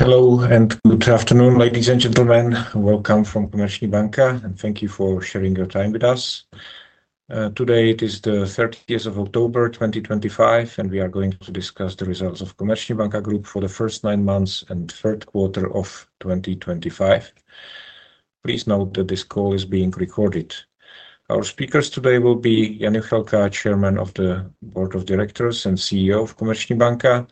Hello and good afternoon, ladies and gentlemen. Welcome from Komerční banka and thank you for sharing your time with us today. It is 30th of October 2025 and we are going to discuss the results of Komerční banka Group for the first nine months and third quarter of 2025. Please note that this call is being recorded. Our speakers today will be Jan Juchelka, Chairman of the Board of Directors and CEO of Komerční banka,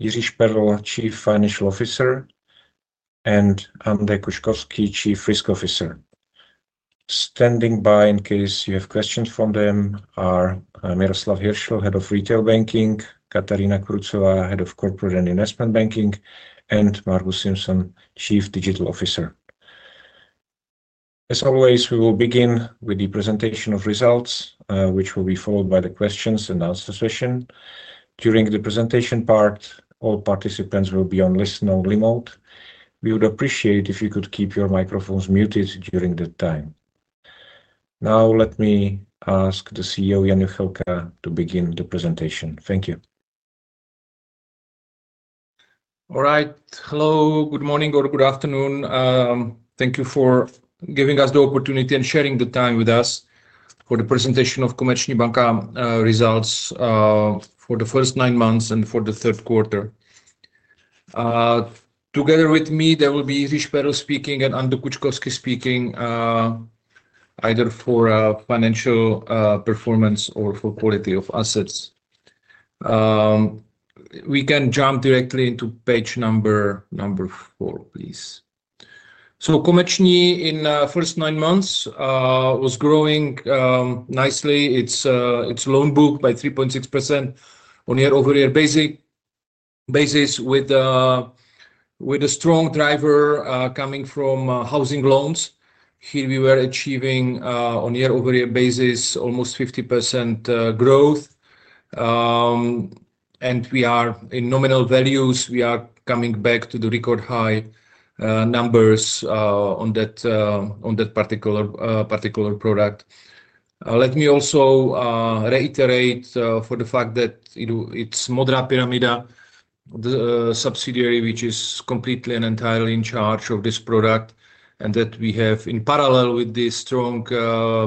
Jiří Šperl, Chief Financial Officer, and Anne Kouchkovsky, Chief Risk Officer. Standing by in case you have questions for them are Miroslav Hirsl, Head of Retail Banking, Katarína Kurucová, Head of Corporate and Investment Banking, and Margus Simson, Chief Digital Officer. As always, we will begin with the presentation of results, which will be followed by the question and answer session. During the presentation part, all participants will be on listen-only mode. We would appreciate if you could keep your microphones muted during that time. Now let me ask the CEO Jan Juchelka to begin the presentation. Thank you. All right. Hello, good morning or good afternoon. Thank you for giving us the opportunity and sharing the time with us for the presentation of Komerční banka results for the first nine months and for the third quarter. Together with me there will be Jiří Šperl speaking and Anne Kouchkovsky, speaking, either for financial performance or for quality of assets. We can jump directly into page number four, please. Komerční in first nine months was growing nicely. It's loan book by 3.6% on year-over-year basis, with a strong driver coming from housing loans. Here we were achieving on year-over-year basis almost 50% growth. We are in nominal values. We are coming back to the record high numbers on that particular product. Let me also reiterate for the fact that it's Modrá pyramida, the subsidiary which is completely and entirely in charge of this product and that we have in parallel with this strong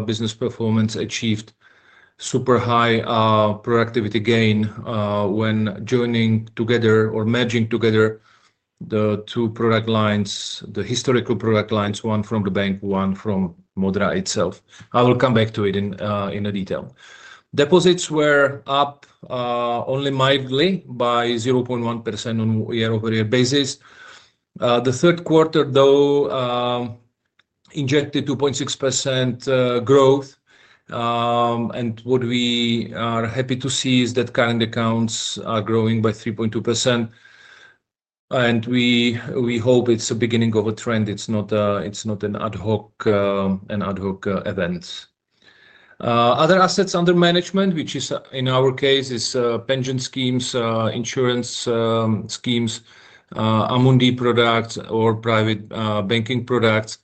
business performance, achieved super high productivity gain when joining together or merging together the two product lines, the historical product lines, one from the bank, one from Modrá itself. I will come back to it in detail. Deposits were up only mildly by 0.1% on year-over-year basis. The third quarter though injected 2.6% growth. What we are happy to see is that current accounts are growing by 3.2% and we hope it's the beginning of a trend. It's not an ad hoc event. Other assets under management, which in our case is pension schemes, insurance schemes, Amundi products or private banking products,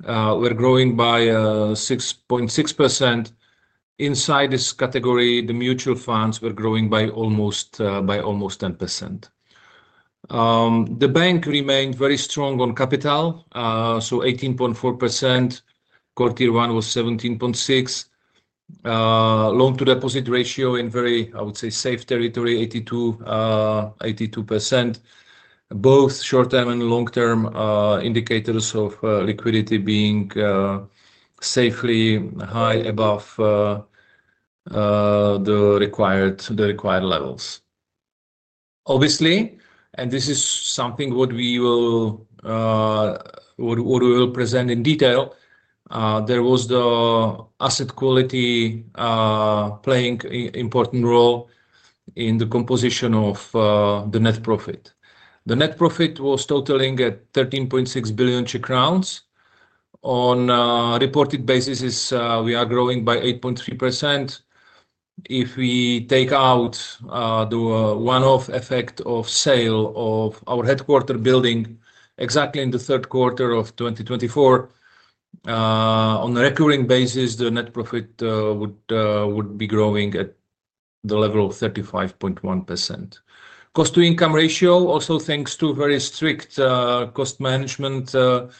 were growing by 6.6%. Inside this category the mutual funds were growing by almost 10%. The bank remained very strong on capital, so 18.4%. Quarter one was 17.6%. Loan to deposit ratio in very, I would say, safe territory, 82%. Both short term and long term indicators of liquidity being safely high above the required levels obviously and this is something what we will present in detail. There was the asset quality playing important role in the composition of the net profit. The net profit was totaling at 13.6 billion Czech crowns on reported basis. We are growing by 8.3%. If we take out the one-off effect of sale of our headquarter building exactly in the third quarter of 2024, on a recurring basis the net profit would be growing at the level of 35.1%. Cost-to-income ratio, also thanks to very strict cost management, was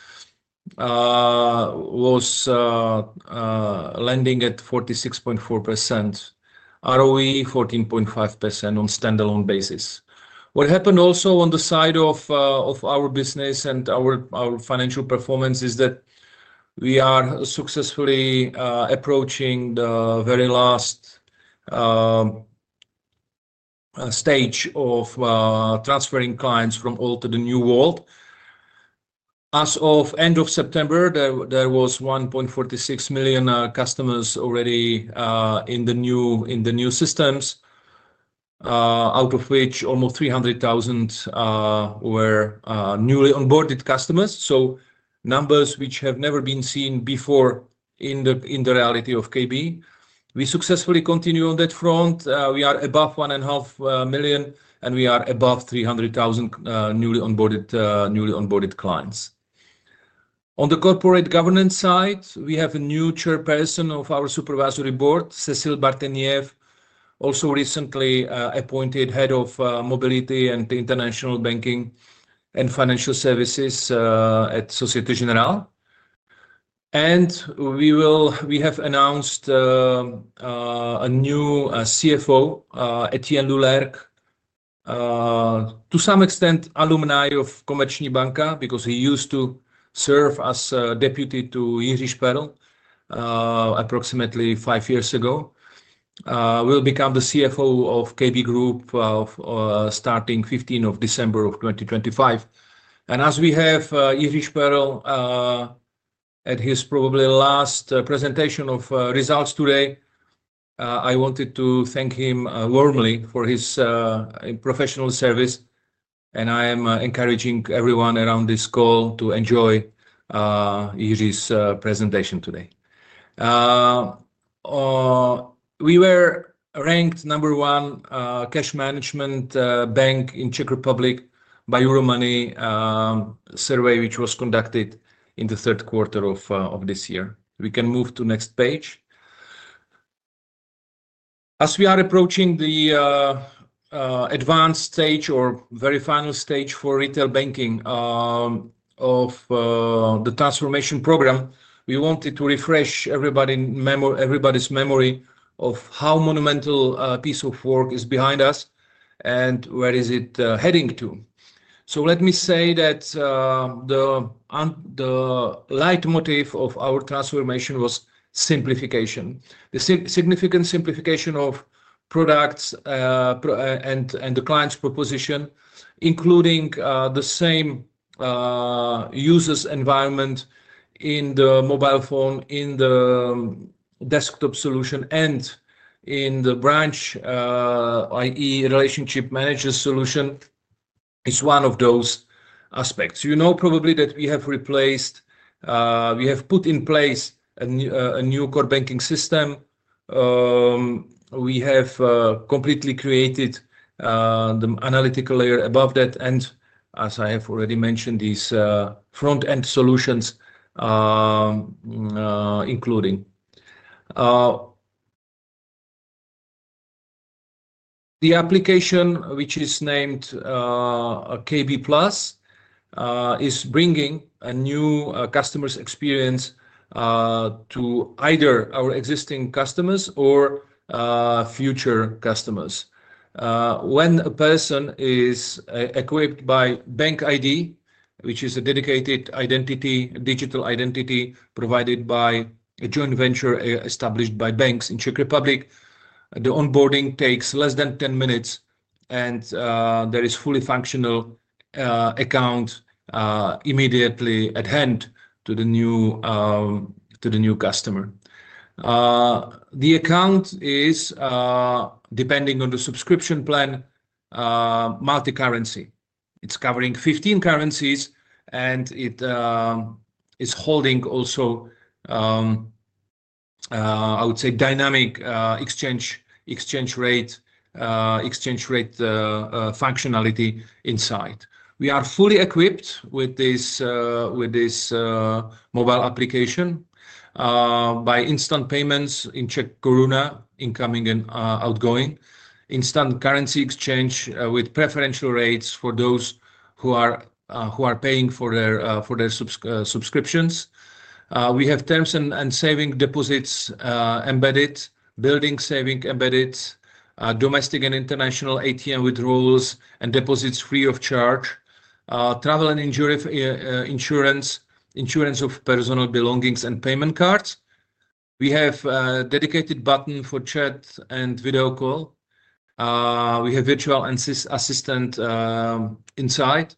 landing at 46.4%. ROE 14.5% on standalone basis. What happened also on the side of our business and our financial performance is that we are successfully approaching the very last stage of transferring clients from all to the new world. As of end of September, there was 1.46 million customers already in the new systems, out of which almost 300,000 were newly onboarded customers. Numbers which have never been seen before. In the reality of KB, we successfully continue on that front. We are above one and a half million and we are above 300,000 newly onboarded clients. On the corporate governance side, we have a new Chairperson of our Supervisory Board, Cécile Bartenieff, also recently appointed Head of Mobility and International Banking & Financial Services at Société Générale. We have announced a new CFO, Etienne Loulergue, to some extent alumni of Komerční banka because he used to serve as Deputy to Jiří Šperl approximately five years ago, will become the CFO of KB Group starting 15th of December of 2025. As we have Jiří Šperl at his probably last presentation of results today, I wanted to thank him warmly for his professional service and I am encouraging everyone around this call to enjoy presentation. Today we were ranked number one cash management bank in Czech Republic by Euromoney survey which was conducted in the third quarter of this year. We can move to next page. As we are approaching the advanced stage or very final stage for retail banking of the transformation program. We wanted to refresh everybody's memory of how monumental piece of work is behind us and where is it heading to. Let me say that the leitmotif of our transformation was simplification. The significant simplification of products and the client's proposition, including the same user's environment in the mobile phone, in the desktop solution, and in the branch, i.e., relationship manager solution, is one of those aspects, you know, probably that we have replaced. We have put in place a new core banking system. We have completely created the analytical layer above that. As I have already mentioned, these front-end solutions, including the application which is named KB+ application, is bringing a new customer's experience to either our existing customers or future customers. When a person is equipped by Bank ID, which is a dedicated digital identity provided by a joint venture established by banks in Czech Republic, the onboarding takes less than 10 minutes and there is fully functional account immediately at hand to the new customer. The account is, depending on the subscription plan, multi-currency. It's covering 15 currencies and it is holding also, I would say, dynamic exchange rate functionality. Inside, we are fully equipped with this mobile application by instant payments in Czech koruna, incoming and outgoing instant currency exchange with preferential rates for those who are paying for their subscriptions. We have term and saving deposits embedded, building savings embedded, domestic and international ATM withdrawals and deposits free of charge, travel and insurance, insurance of personal belongings and payment cards. We have dedicated button for chat and video call. We have virtual assistant inside.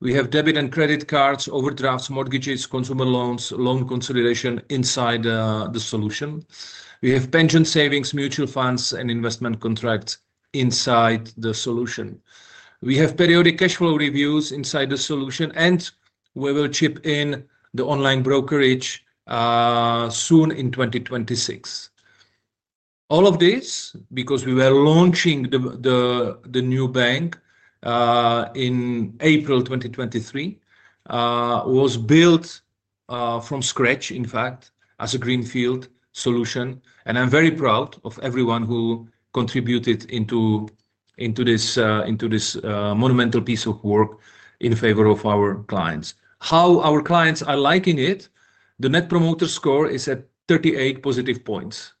We have debit and credit cards, overdrafts, mortgages, consumer loans, loan consolidation inside the solution. We have pension savings, mutual funds, and investment contracts inside the solution. We have periodic cash flow reviews inside the solution. We will chip in the online brokerage soon in 2026. All of this, because we were launching the new bank in April 2023, was built from scratch in fact as a greenfield solution and I'm very proud of everyone who contributed into this monumental piece of work in favor of our clients. How our clients are liking it. The Net Promoter Score is at 38 positive points.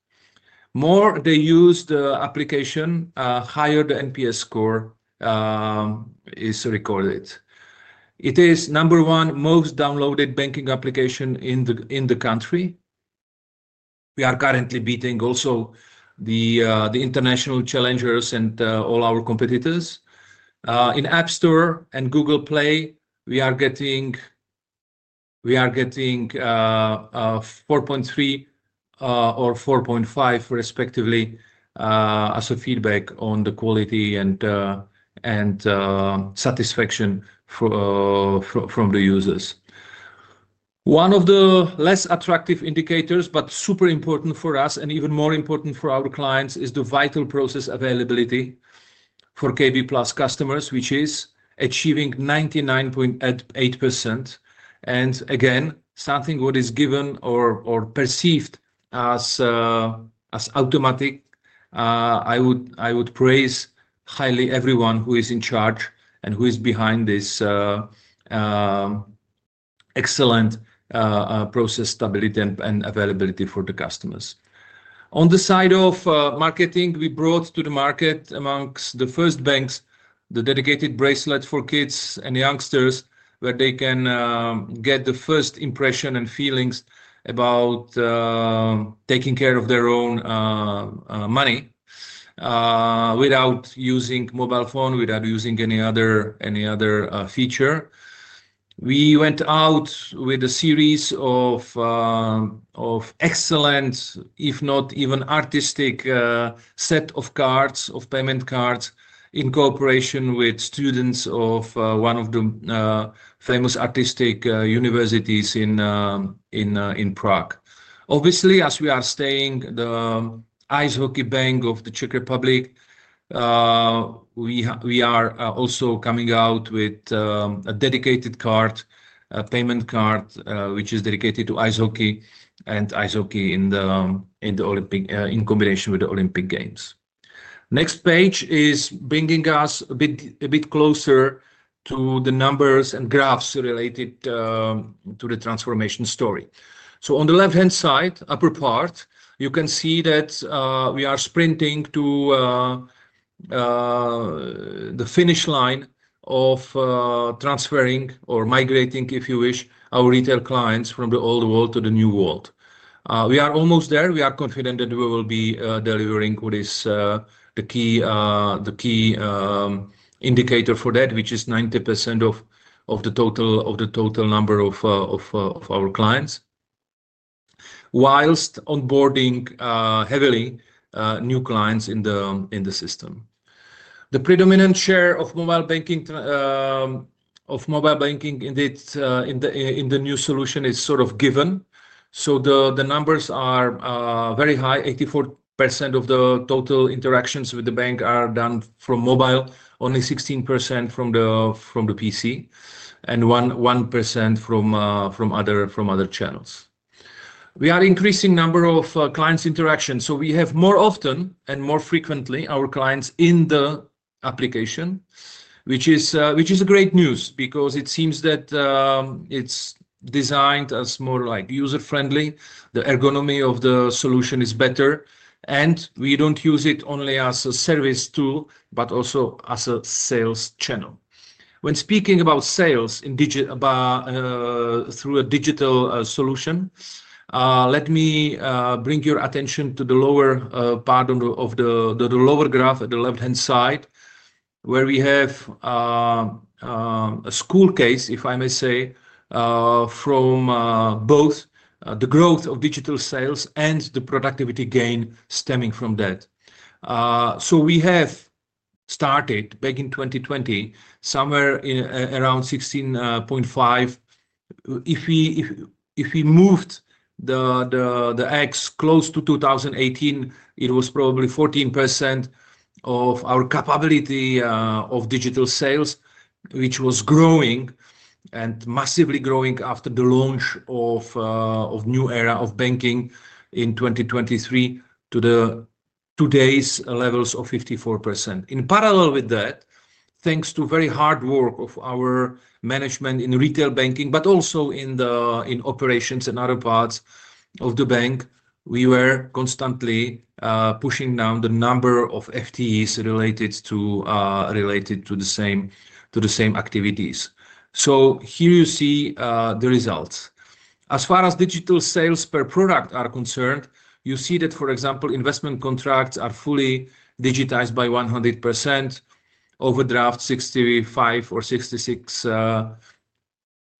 The more they use the application, the higher the NPS score is recorded. It is the number one most downloaded banking application in the country. We are currently beating also the international challengers and all our competitors in App Store and Google Play. We are getting 4.3 or 4.5 respectively as a feedback on the quality and satisfaction from the users. One of the less attractive indicators but super important for us and even more important for our clients is the vital process availability for KB+ customers, which is achieving 99.8%, and again something that is given or perceived as automatic. I would praise highly everyone who is in charge and who is behind this excellent process stability and availability for the customers. On the side of marketing, we brought to the market amongst the first banks the dedicated bracelet for kids and youngsters where they can get the first impression and feelings about taking care of their own money without using mobile phone, without using any other feature. We went out with a series of excellent, if not even artistic, set of payment cards in cooperation with students of one of the famous artistic universities in Prague. Obviously, as we are staying the ice hockey bank of the Czech Republic, we are also coming out with a dedicated card, a payment card which is dedicated to ice hockey and ice hockey in combination with the Olympic Games. Next page is bringing us a bit closer to the numbers and graphs related to the transformation story. On the left hand side upper part, you can see that we are sprinting to the finish line of transferring or migrating, if you wish, our retail clients from the old world to the new world. We are almost there. We are confident that we will be delivering what is the key indicator for that, which is 90% of the total number of our clients, whilst onboarding heavily new clients in the system. The predominant share of mobile banking in the new solution is sort of given, so the numbers are very high. 84% of the total interactions with the bank are done from mobile, only 16% from the PC, and 1% from other channels. We are increasing number of clients interactions, so we have more often and more frequently our clients in the application, which is a great news because it seems that it's designed as more like user friendly. The ergonomy of the solution is better and we don't use it only as a service tool but also as a sales channel. When speaking about sales through a digital solution, let me bring your attention to the lower part of the lower graph at the left-hand side where we have a school case, if I may say, from both the growth of digital sales and the productivity gain stemming from that. We have started back in 2020 somewhere around 16.5%. If we moved the X close to 2018, it was probably 14% of our capability of digital sales, which was growing and massively growing after the launch of new era of banking in 2023 to today's levels of 54% in parallel with that, thanks to very hard work of our management in Retail Banking. Also in Operations and other parts of the bank, we were constantly pushing down the number of FTEs related to the same activities. Here you see the results as far as digital sales per product are concerned. You see that, for example, investment contracts are fully digitized by 100%, overdraft, 65% or 66%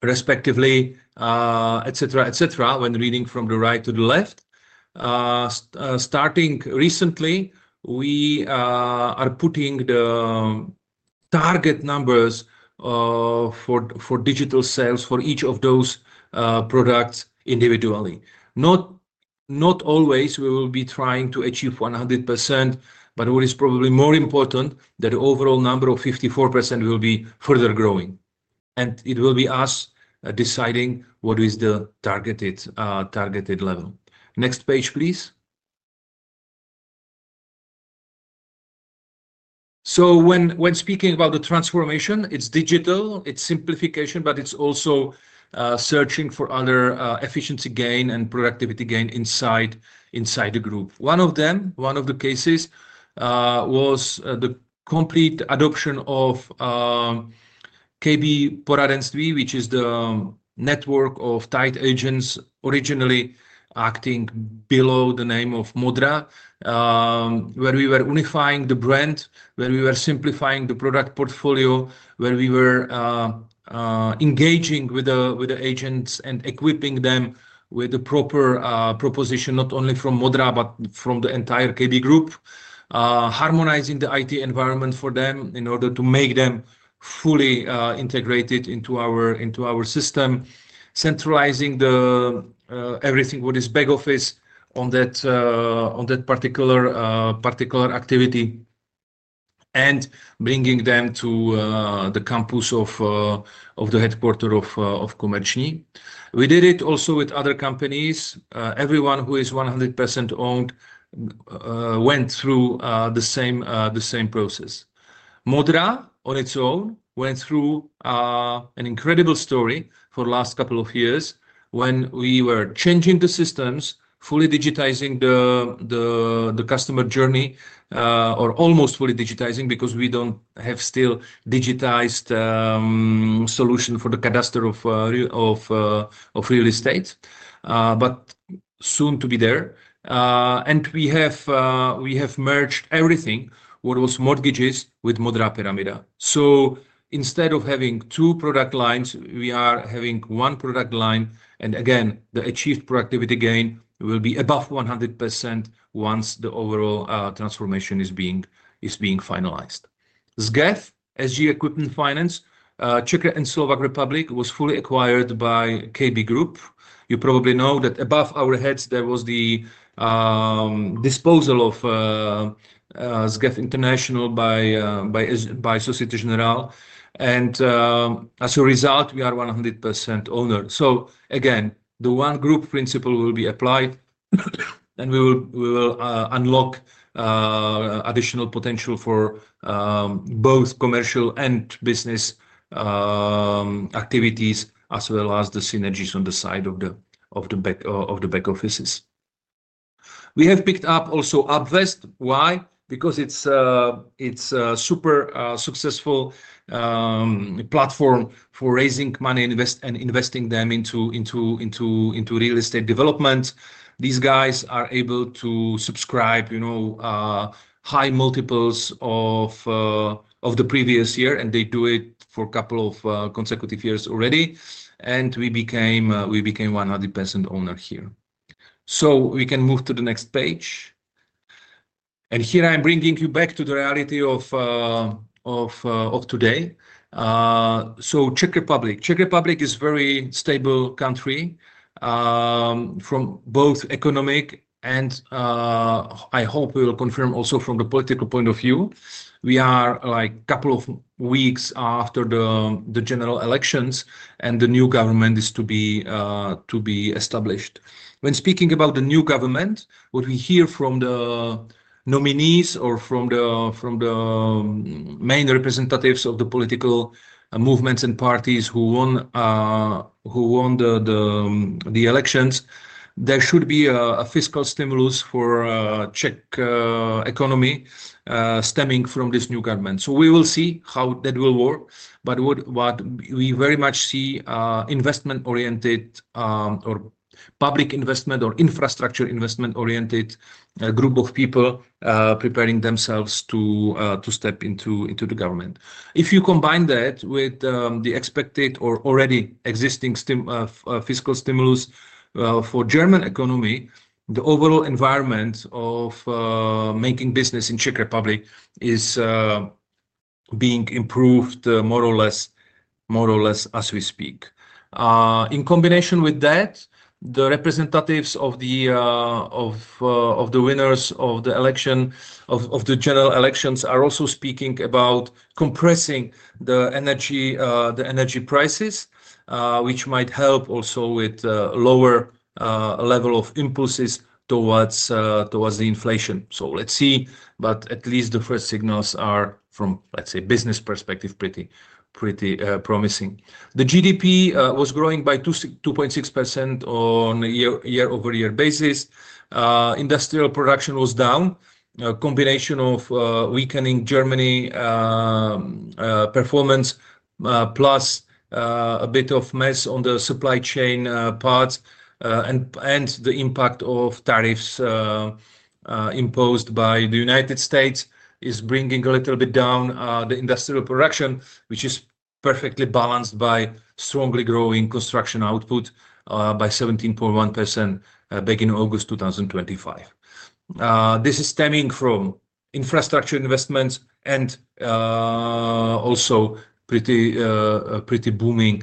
respectively, etc. When reading from the right to the left, starting recently, we are putting the target numbers for digital sales for each of those products individually. Not always we will be trying to achieve 100%, but what is probably more important, that overall number of 54% will be further growing and it will be us deciding what is the targeted level. Next page, please. When speaking about the transformation, it's digital, it's simplification, but it's also searching for other efficiency gain and productivity gain inside the group. One of them, one of the cases, was the complete adoption of KB Poradenství, which is the network of tied agents originally acting below the name of Modrá. We were unifying the brand, we were simplifying the product portfolio, we were engaging with the agents and equipping them with the proper proposition, not only from Modrá, but from the entire KB Group. Harmonizing the IT environment for them in order to make them fully integrated into our system. Centralizing everything with this back office on that particular activity and bringing them to the campus of the headquarter of Komerční. We did it also with other companies. Everyone who is 100% owned went through the same process. Modrá on its own went through an incredible story for last couple of years. When we were changing the systems, fully digitizing the customer journey, or almost fully digitizing, because we don't have still digitized solution for the cadastral of real estate, but soon to be there. We have merged everything that was mortgages with Modrá pyramida. Instead of having two product lines, we are having one product line. The achieved productivity gain will be above 100% once the overall transformation is finalized. SGEF SG Equipment Finance Czech and Slovakia Republic was fully acquired by KB Group. You probably know that above our heads there was the disposal of international by Société Générale. As a result, we are 100% owner. The one group principle will be applied and we will unlock additional potential for both commercial and business activities as well as the synergies on the side of the back offices. We have picked up also Upvest. Why? Because it's a super successful platform for raising money and investing them into real estate development. These guys are able to subscribe high multiples of the previous year and they do it for a couple of consecutive years already. We became 100% owner here. We can move to the next page. Here I'm bringing you back to the reality of today. Czech Republic is a very stable country from both economic and, I hope, we will confirm also from the political point of view. We are a couple of weeks after the general elections and the new government is to be established. When speaking about the new government, what we hear from the nominees or from the main representatives of the political movements and parties who won the elections, there should be a fiscal stimulus for Czech economy stemming from this new government. We will see how that will work. What we very much see is an investment-oriented or public investment or infrastructure investment-oriented group of people preparing themselves to step into the government. If you combine that with the expected or already existing fiscal stimulus for German economy, the overall environment of making business in Czech Republic is being improved more or less as we speak. In combination with that the representatives of the. The winners of the general elections are also speaking about compressing the energy prices, which might help also with lower level of impulses towards the inflation. Let's see. At least the first signals are from, let's say, business perspective, pretty promising. The GDP was growing by 2.6% on year-over-year basis. Industrial production was down. A combination of weakening Germany performance plus a bit of mess on the supply chain parts and the impact of tariffs imposed by the United States is bringing a little bit down the industrial production, which is perfectly balanced by strongly growing construction output by 17.1% back in August 2025. This is stemming from infrastructure investments and also pretty booming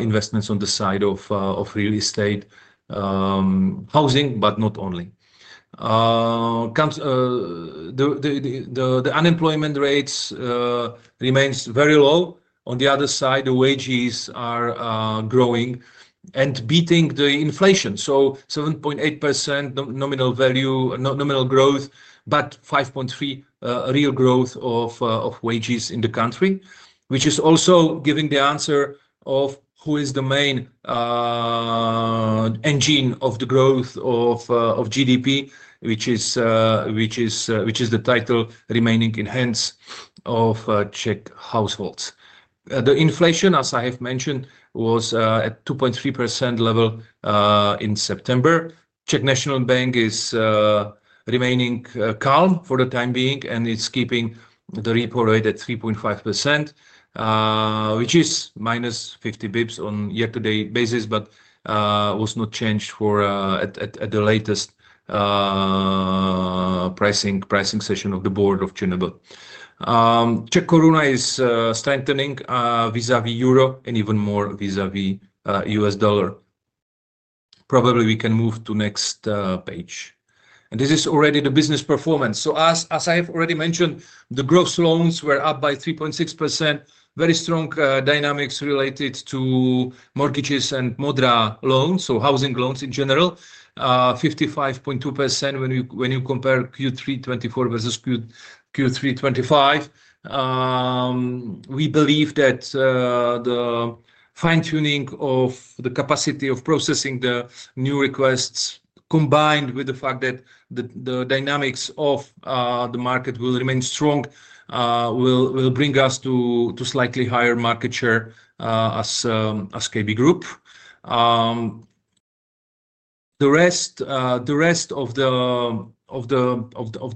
investments on the side of real estate housing. Not only that, the unemployment rate remains very low. On the other side, the wages are growing and beating the inflation. So 7.8% nominal growth, but 5.3% real growth of wages in the country, which is also giving the answer of who is the main engine of the growth of GDP, which is the title remaining in hands of Czech households. The inflation, as I have mentioned, was at 2.3% level in September. Czech National Bank is remaining calm for the time being and it's keeping the repo rate at 3.5%, which is -50 bps on year-to-date basis, but was not changed at the latest pricing session of the board of Czech National Bank. Czech koruna is strengthening vis-à-vis Euro and even more vis-à-vis U.S. dollar. Probably we can move to next page. This is already the business performance. As I have already mentioned, the gross loans were up by 3.6%. Very strong dynamics related to mortgages and Modrá pyramida loans, so housing loans in general, 55.2%. When you compare Q3 2024 versus Q3 2025, we believe that the fine-tuning of the capacity of processing the new requests combined with the fact that the dynamics of the market will remain strong will bring us to slightly higher market share. As KB Group, the rest of the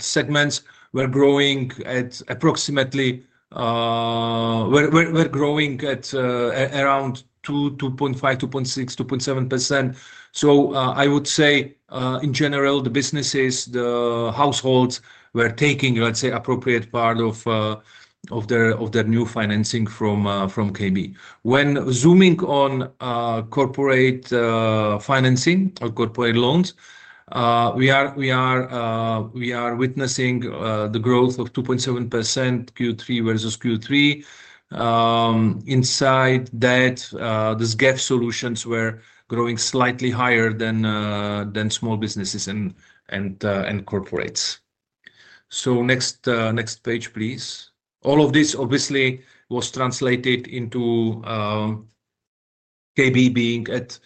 segments were growing at approximately 2.5%, 2.6%, 2.7%. I would say in general the businesses, the households were taking, let's say, appropriate part of their new financing from KB. When zooming on corporate financing or corporate loans, we are witnessing the growth of 2.7% Q3 versus Q3. Inside that, these SGEF solutions were growing slightly higher than small businesses and corporates. Next page please. All of this obviously was translated into KB being at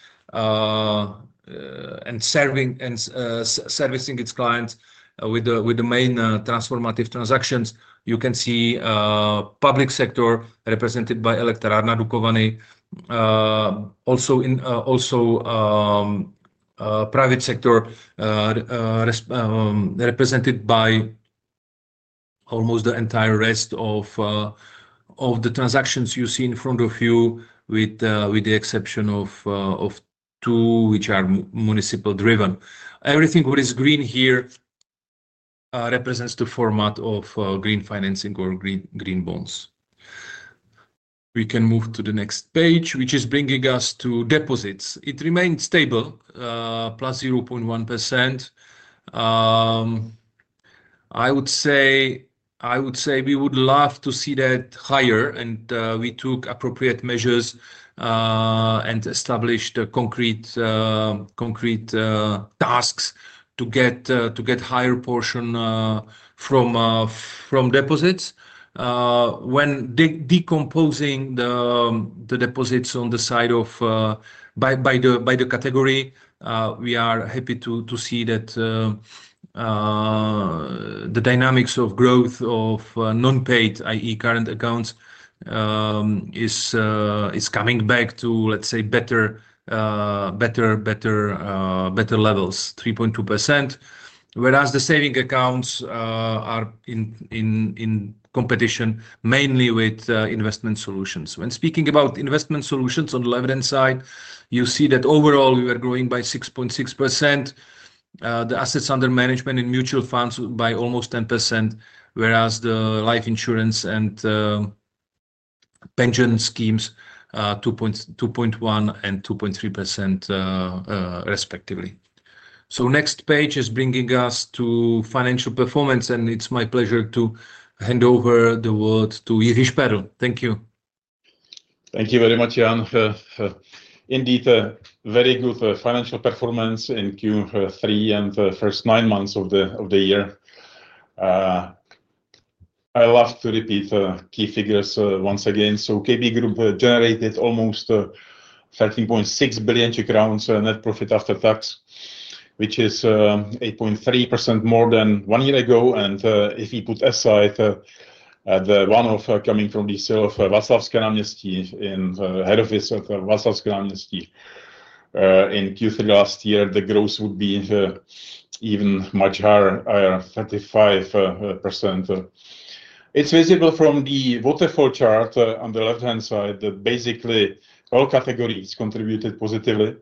and serving and servicing its clients with the main transformative transactions. You can see public sector represented by Elektrárna Dukovany, also private sector represented by almost the entire rest of the transactions you see in front of you, with the exception of two which are municipal driven. Everything that is green here represents the format of green financing or green bonds. We can move to the next page, which is bringing us to deposits. It remains stable, +0.1%. I would say we would love to see that higher, and we took appropriate measures and established concrete tasks to get a higher portion from deposits. When decomposing the deposits on the side of the category, we are happy to see that the dynamics of growth of non-paid, i.e., current accounts, is coming back to, let's say, better levels, 3.2%. Whereas the savings accounts are in competition mainly with investment solutions. When speaking about investment solutions, on the left-hand side you see that overall we were growing by 6.6%, the assets under management in mutual funds by almost 10%, whereas the life insurance and pension schemes 2.1% and 2.3%, respectively. Next page is bringing us to financial performance, and it's my pleasure to hand over the word to Jiří Šperl. Thank you. Thank you very much Jan. Indeed very good financial performance in Q3 and the first nine months of the year. I love to repeat key figures once again. So KB Group generated almost 13.6 billion Czech crowns net profit after tax which is 8.3% more than one year ago. If we put aside the one-off coming from the sale of Václavské náměstí, in head office of Václavské náměstí in Q3 last year, the growth would be even much higher, 35%. It's visible from the waterfall chart on the left-hand side that basically all categories contributed positively.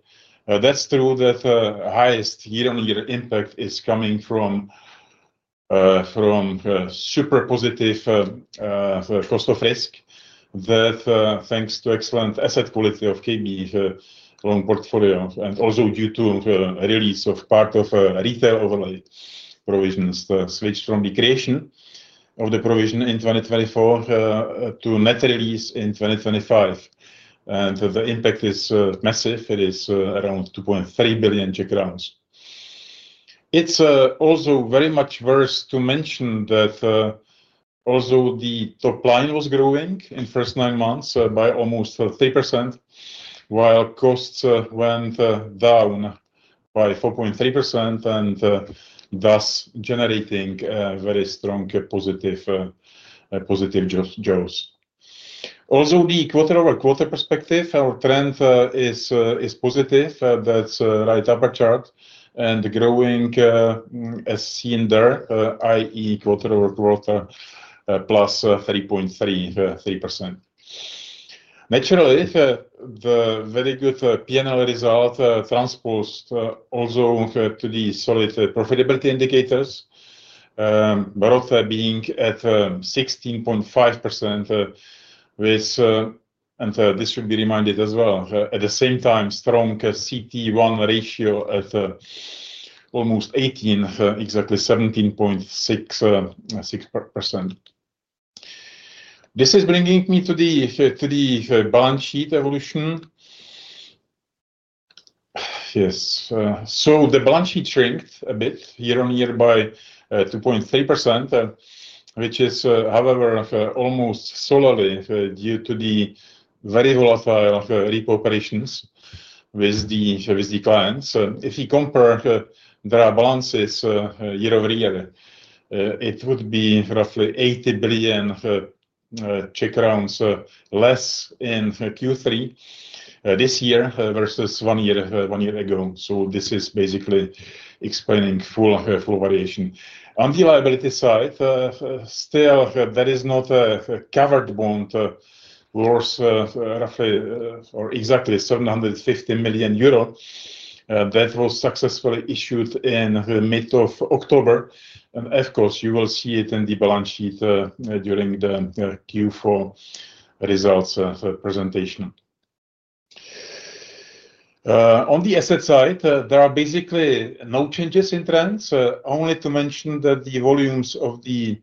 That's true that the highest year-on-year impact is coming from super positive cost of risk, that thanks to excellent asset quality of KB loan portfolio and also due to release of part of retail overnight provisions switched from the creation of the provision in 2024 to net release in 2025 and the impact is massive. It is around 2.3 billion Czech crowns. It's also very much worth to mention that also the top line was growing in first nine months by almost 30% while costs went down by 4.3% and thus generating very strong positive jobs. Also the quarter-over-quarter perspective, our trend is positive. That's right, upper chart and growing as seen there that is quarter-over-quarter +3.33%. Naturally the very good P&L result transposed also to the SOL profitability indicators, [Baruta] being at 16.5% with, and this should be reminded as well, at the same time strong CET1 ratio at almost 18%, exactly 17.66%. This is bringing me to the balance sheet evolution. Yes, so the balance sheet shrank a bit year-on-year by 2.3% which is however almost solely due to the variable of repo operations with the clients. If you compare their balances year-over-year, it would be roughly 80 billion less in Q3 this year versus one year ago. This is basically explaining full variation on the liability side. Still there is now a covered bond worth exactly 750 million euro that was successfully issued in the mid of October. Of course you will see it in the balance sheet during the Q4 results presentation. On the asset side there are basically no changes in trends, only to mention that the volumes of the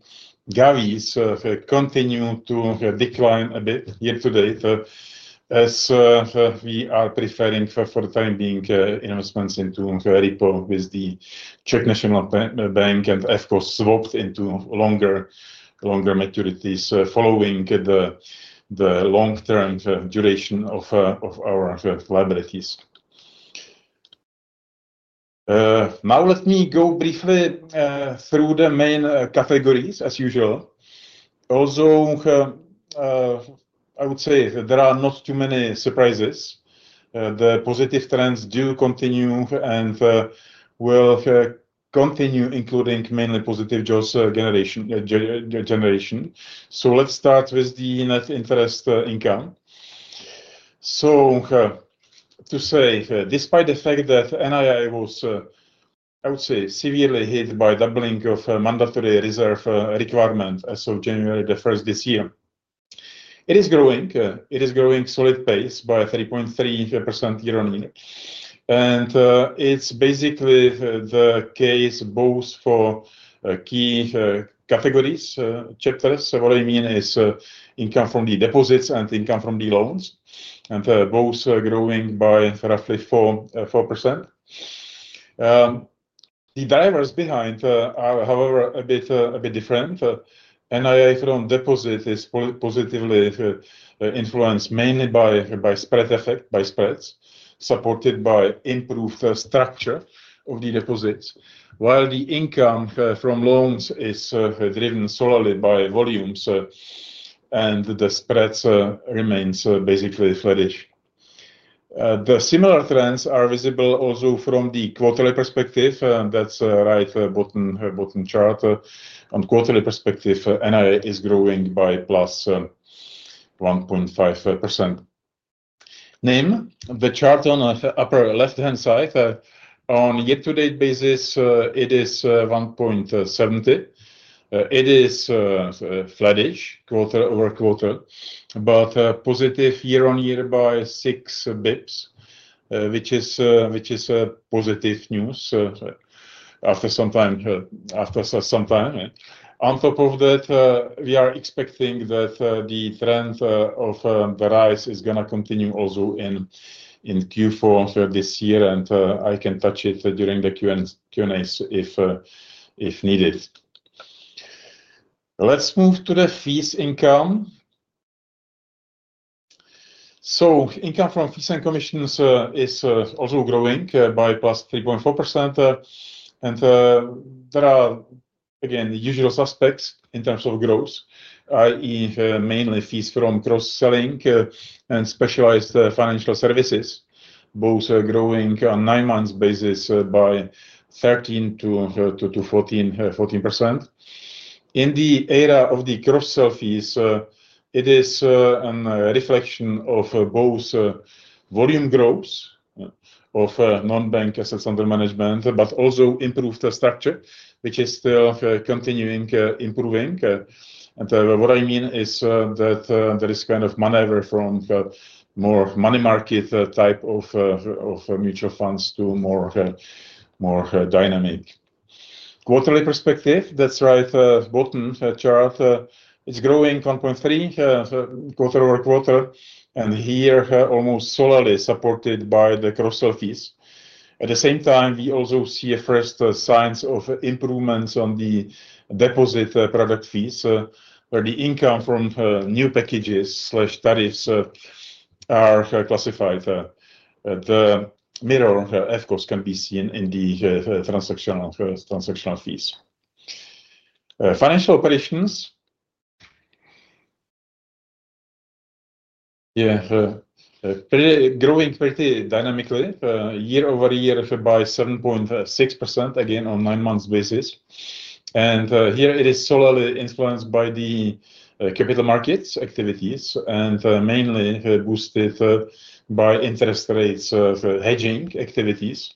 Garrison continue to decline a bit year to date as we are preferring for the time being investments into repo with the Czech National Bank and of course swapped into longer longer maturities following the long term duration of our liabilities. Now let me go briefly through the main categories as usual. Also I would say that there are not too many surprises. The positive trends do continue and will continue including mainly positive jobs generation. Let's start with the net interest income, so to say, despite the fact that NII was, I would say, severely hit by doubling of mandatory reserve requirement as of January 1st this year it is growing. It is growing solid pace by 3.3% year on year. It's basically the case both for key categories chapters. What I mean is income from the deposits and income from the loans and both growing by roughly 4%. The drivers behind are however a bit different. NII deposit is positively influenced mainly by spread effect by spreads supported by improved structure of the deposits. While the income from loans is driven solely by volumes and the spreads remains basically flattish. The similar trends are visible also from the quarterly perspective. That's right, bottom chart. On quarterly perspective NII is growing by +1.5%. Name the chart on the upper left hand side. On year to date basis it is 1.70. It is flattish quarter over quarter, but positive year on year by 6 bps which is a positive news after some time. After some time on top of that we are expecting that the trend of the rise is going to continue also in Q4 this year. I can touch it during the Q&A if needed. Let's move to the fees income. Income from fees and commissions is also growing by +3.4%. There are again usual suspects in terms of growth. That is mainly fees from cross selling and specialized financial services both growing on nine months basis by 13%-14%. In the era of the cross sell fees it is a reflection of both volume growth of non bank assets under management but also improved structure which is still continuing improving. What I mean is that there is kind of maneuver from more money market type of mutual funds to more dynamic quarterly perspective. That's right, bottom chart it's growing 1.3 quarter-over-quarter and here almost solely supported by the cross sell fees. At the same time, we also see first signs of improvements on the deposit product fees where the income from new packages tariffs are classified. The mirror, of course, can be seen in the transactional fees financial operations, growing pretty dynamically year-over-year by 7.6% again on a nine months basis. Here it is solely influenced by the capital markets activities and mainly boosted by interest rates of hedging activities,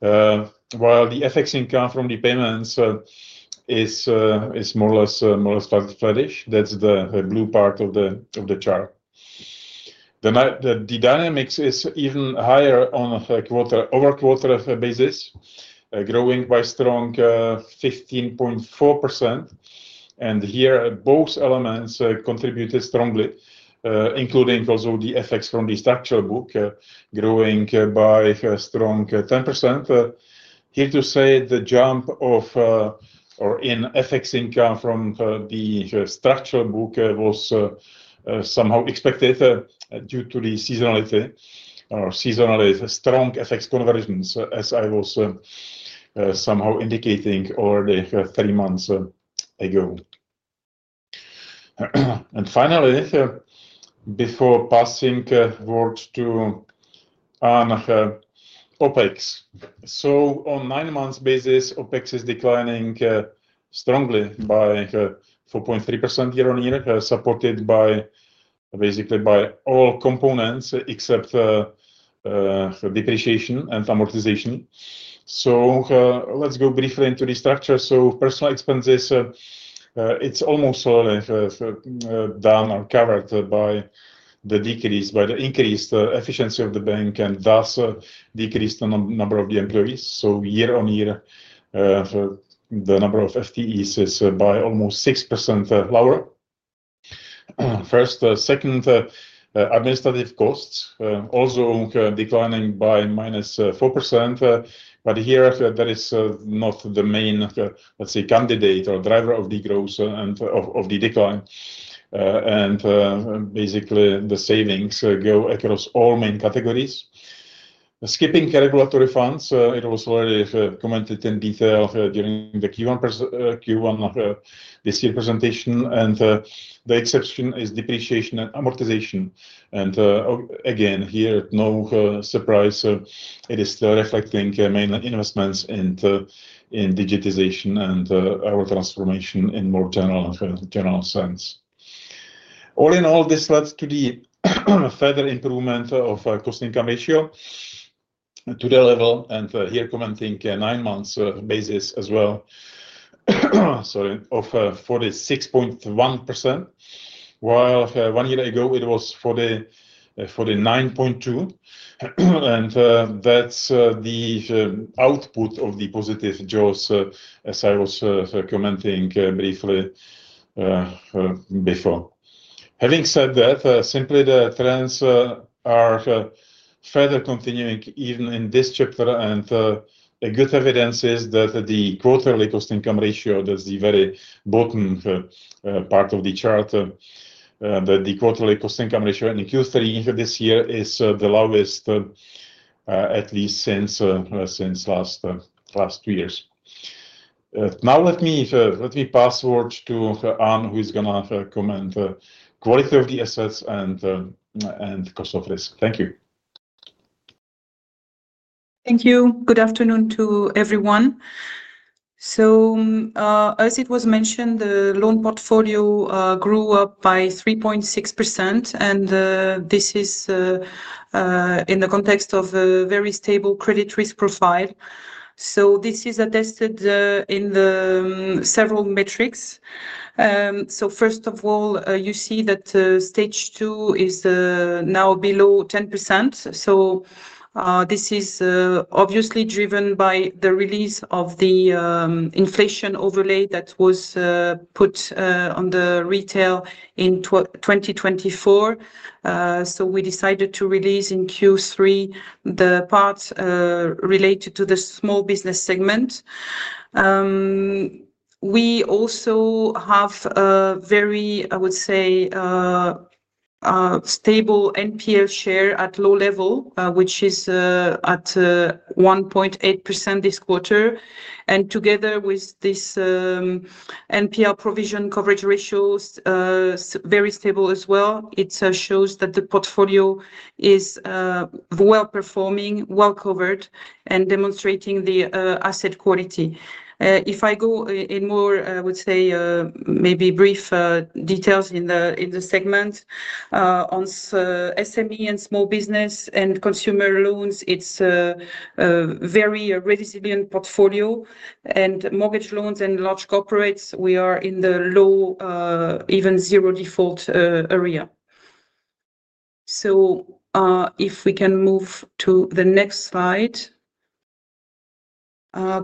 while the FX income from the payments is more or less flattish. That's the blue part of the chart. The dynamics is even higher on a quarter basis, growing by a strong 15.4%. Here both elements contributed strongly, including also the effects from the structural book growing by a strong 10%. The jump in FX income from the structural book was somehow expected due to the seasonality or seasonally strong FX convergence, as I was somehow indicating already three months ago. Finally, before passing to OpEx, on a nine months basis OpEx is declining strongly by 4.3% year-on-year, supported basically by all components except depreciation and amortization. Let's go briefly into the structure. Personnel expenses, it's almost all done or covered by the increased efficiency of the bank and thus decrease the number of the employees. Year on year, the number of FTEs is by almost 6% lower. Second, administrative costs also declining by -4%. Here, that is not the main candidate or driver of the decline. The savings go across all main categories, skipping regulatory funds. It was already commented in detail during the Q1 2023 presentation, and the exception is depreciation and amortization. Again, here, no surprise, it is still reflecting mainly investments in digitization and our transformation in a more general sense. All in all, this led to the further improvement of cost-to-income ratio today, and here commenting nine months basis as well, of 46.1%, while one year ago it was 49.2%, and that's the output of the positive jaws. As I was commenting briefly before, having said that, simply the trends are further continuing even in this chapter, and a good evidence is that the quarterly cost-to-income ratio, that's the very bottom part of the chart, that the quarterly cost-to-income ratio in Q3 this year is the lowest at least since the last two years. Now let me pass the word to Anne, who is going to comment. Quality of the assets and cost of risk. Thank you. Thank you. Good afternoon to everyone. As it was mentioned, the loan portfolio grew up by 3.6% and this is in the context of a very stable credit risk profile. This is attested in the several metrics. First of all, you see that stage two is now below 10%. This is obviously driven by the release of the inflation overlay that was put on the retail in 2024. We decided to release in Q3 the parts related to the small business segment. We also have a very, I would say, stable NPL share at low level which is at 1.8% this quarter, and together with this NPL provision coverage ratio, very stable as well, it shows that the portfolio is well performing, well covered, and demonstrating the asset quality. If I go in more, I would say, maybe brief details in the segment on SME and small business and consumer loans, it's very resilient portfolio, and mortgage loans and large corporates, we are in the low, even zero default area. If we can move to the next slide,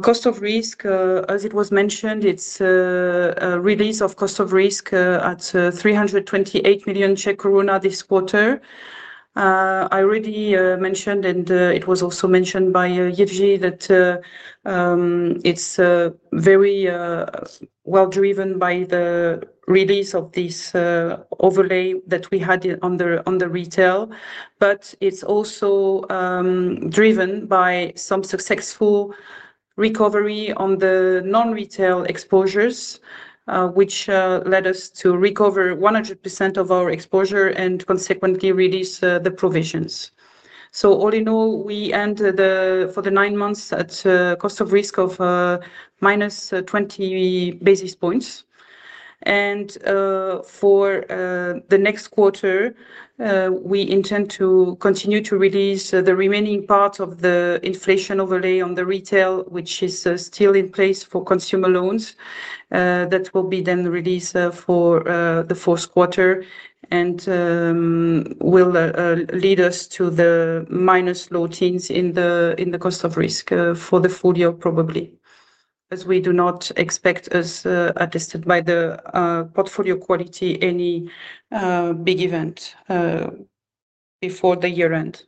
cost of risk, as it was mentioned, it's a release of cost of risk at 328 million this quarter. I already mentioned, and it was also mentioned by [Yevge], that it's very well driven by the release of this overlay that we had on the retail, but it's also driven by some successful recovery on the non-retail exposures which led us to recover 100% of our exposure and consequently release the provisions. All in all, we end for the nine months at cost of risk of -20 basis points, and for the next quarter we intend to continue to release the remaining part of the inflation overlay on the retail, which is still in place for consumer loans, that will be then released for the fourth quarter and will lead us to the minus low teens in the cost of risk for the full year. Probably, as we do not expect, as attested by the portfolio quality, any big event before the year end.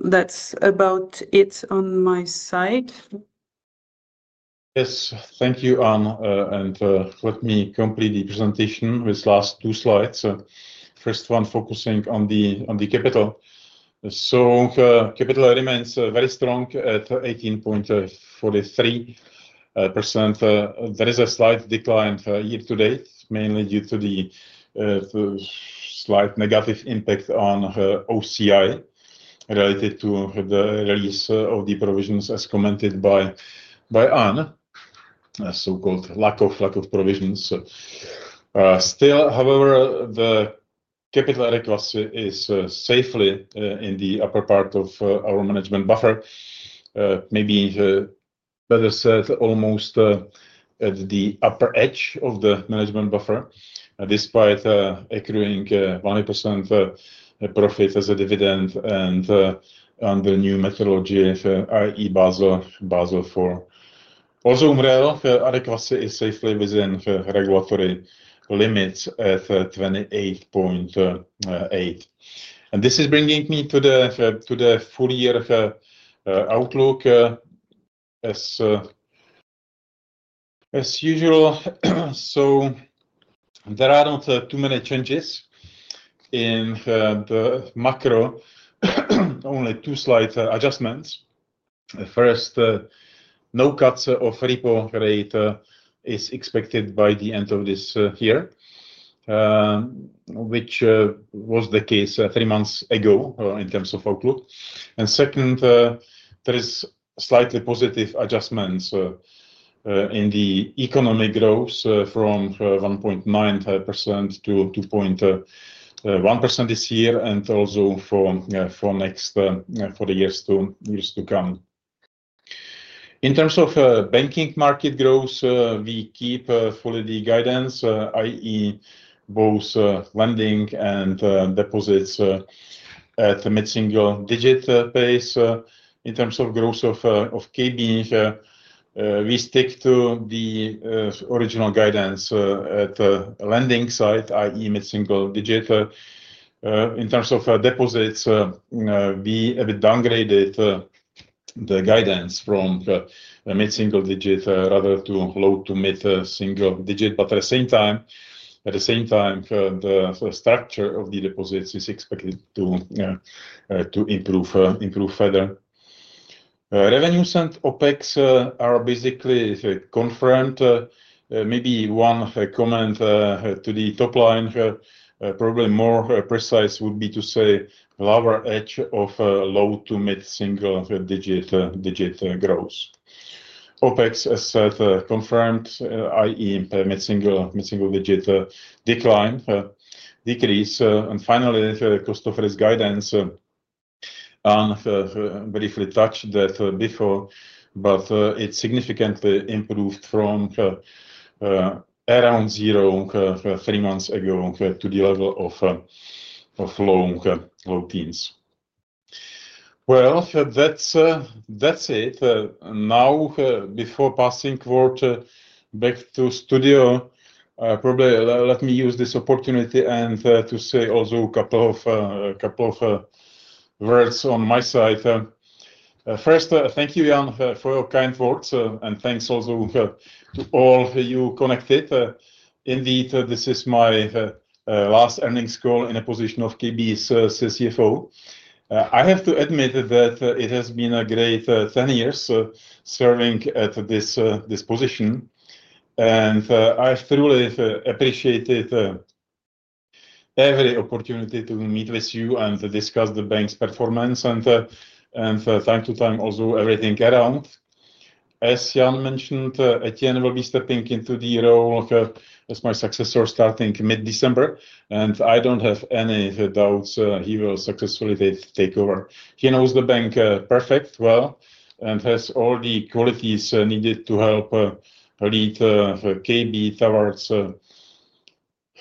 That's about it on my side. Yes, thank you Anne. Let me complete the presentation with last two slides. First one focusing on the capital. Capital remains very strong at 18.43%. There is a slight decline year to date mainly due to the slight negative impact on OCI related to the release of the provisions as commented by Anne, so called lack of lack of provisions. Still, however, the capital adequacy is safely in the upper part of our management buffer, maybe better said almost at the upper edge of the management buffer despite accruing 100% profit as a dividend and under new methodology, i.e. Basel, Basel IV, also unreal aricosa is safely within regulatory limits at 28.8 and this is bringing me to the full year outlook as usual. There are not too many changes in the macro. Only two slight adjustments. First, no cuts of repo rate is expected by the end of this year, which was the case three months ago in terms of outlook, and second, there is slightly positive adjustments in the economic growth from 1.9%-2.1% this year and also for next for the years to come. In terms of banking market growth, we keep fully the guidance that is both lending and deposits at the mid single digit pace. In terms of growth of KB, we stick to the original guidance at lending side, i.e. mid single digit. In terms of deposits, we have downgraded the guidance from mid single digit rather to low to mid single digit. At the same time, the structure of the deposits is expected to improve further. Revenues and OpEx are basically confirmed. Maybe one comment to the top line, probably more precise would be to say lower edge of low to mid single digit growth. OpEx as confirmed, i.e. impairment, mid single digit decline, decrease, and finally cost of risk guidance, briefly touched that before, but it significantly improved from around zero three months ago to the level of Longines. That's it. Now, before passing water back to studio, probably let me use this opportunity and to say also a couple of words on my side. First, thank you Jan for your kind words and thanks also to all you connected. Indeed, this is my last earnings call in a position of KB's CFO. I have to admit that it has been a great 10 years serving at this position and I truly appreciated every opportunity to meet with you and discuss the bank's performance and from time to time also everything around. As Jan mentioned, Etienne will be stepping into the role as my successor starting mid December and I don't have any doubts he will successfully takeover. He knows the bank perfectly well and has all the qualities needed to help lead KB towards,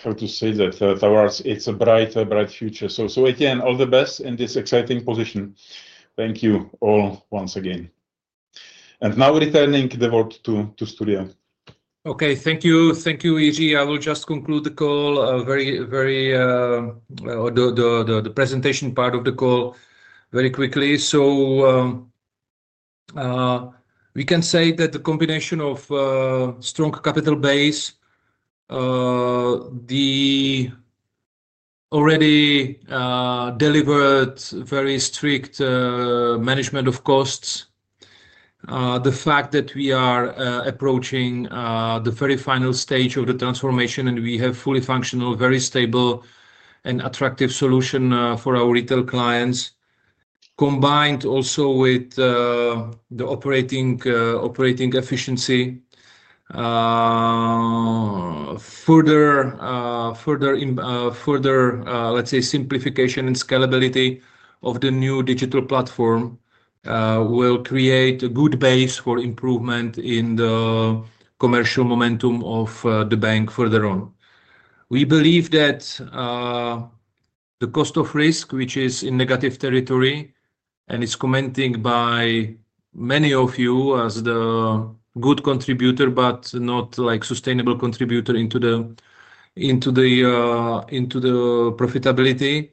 how to say that, towards its bright future. Again, all the best in this exciting position. Thank you all once again and now returning the word to Juchelka. Okay, thank you, thank you Jiří Šperl. I will just conclude the call, or the presentation part of the call, very quickly. We can say that the combination of strong capital base, the already delivered very strict management of costs, the fact that we are approaching the very final stage of the transformation, and we have fully functional, very stable, and attractive solution for our retail clients, combined also with the operating efficiency, further simplification, and scalability of the new digital platform, will create a good base for improvement in the commercial momentum of the bank. Further on, we believe that the cost of risk, which is in negative territory and is commented by many of you as a good contributor but not a sustainable contributor into the profitability,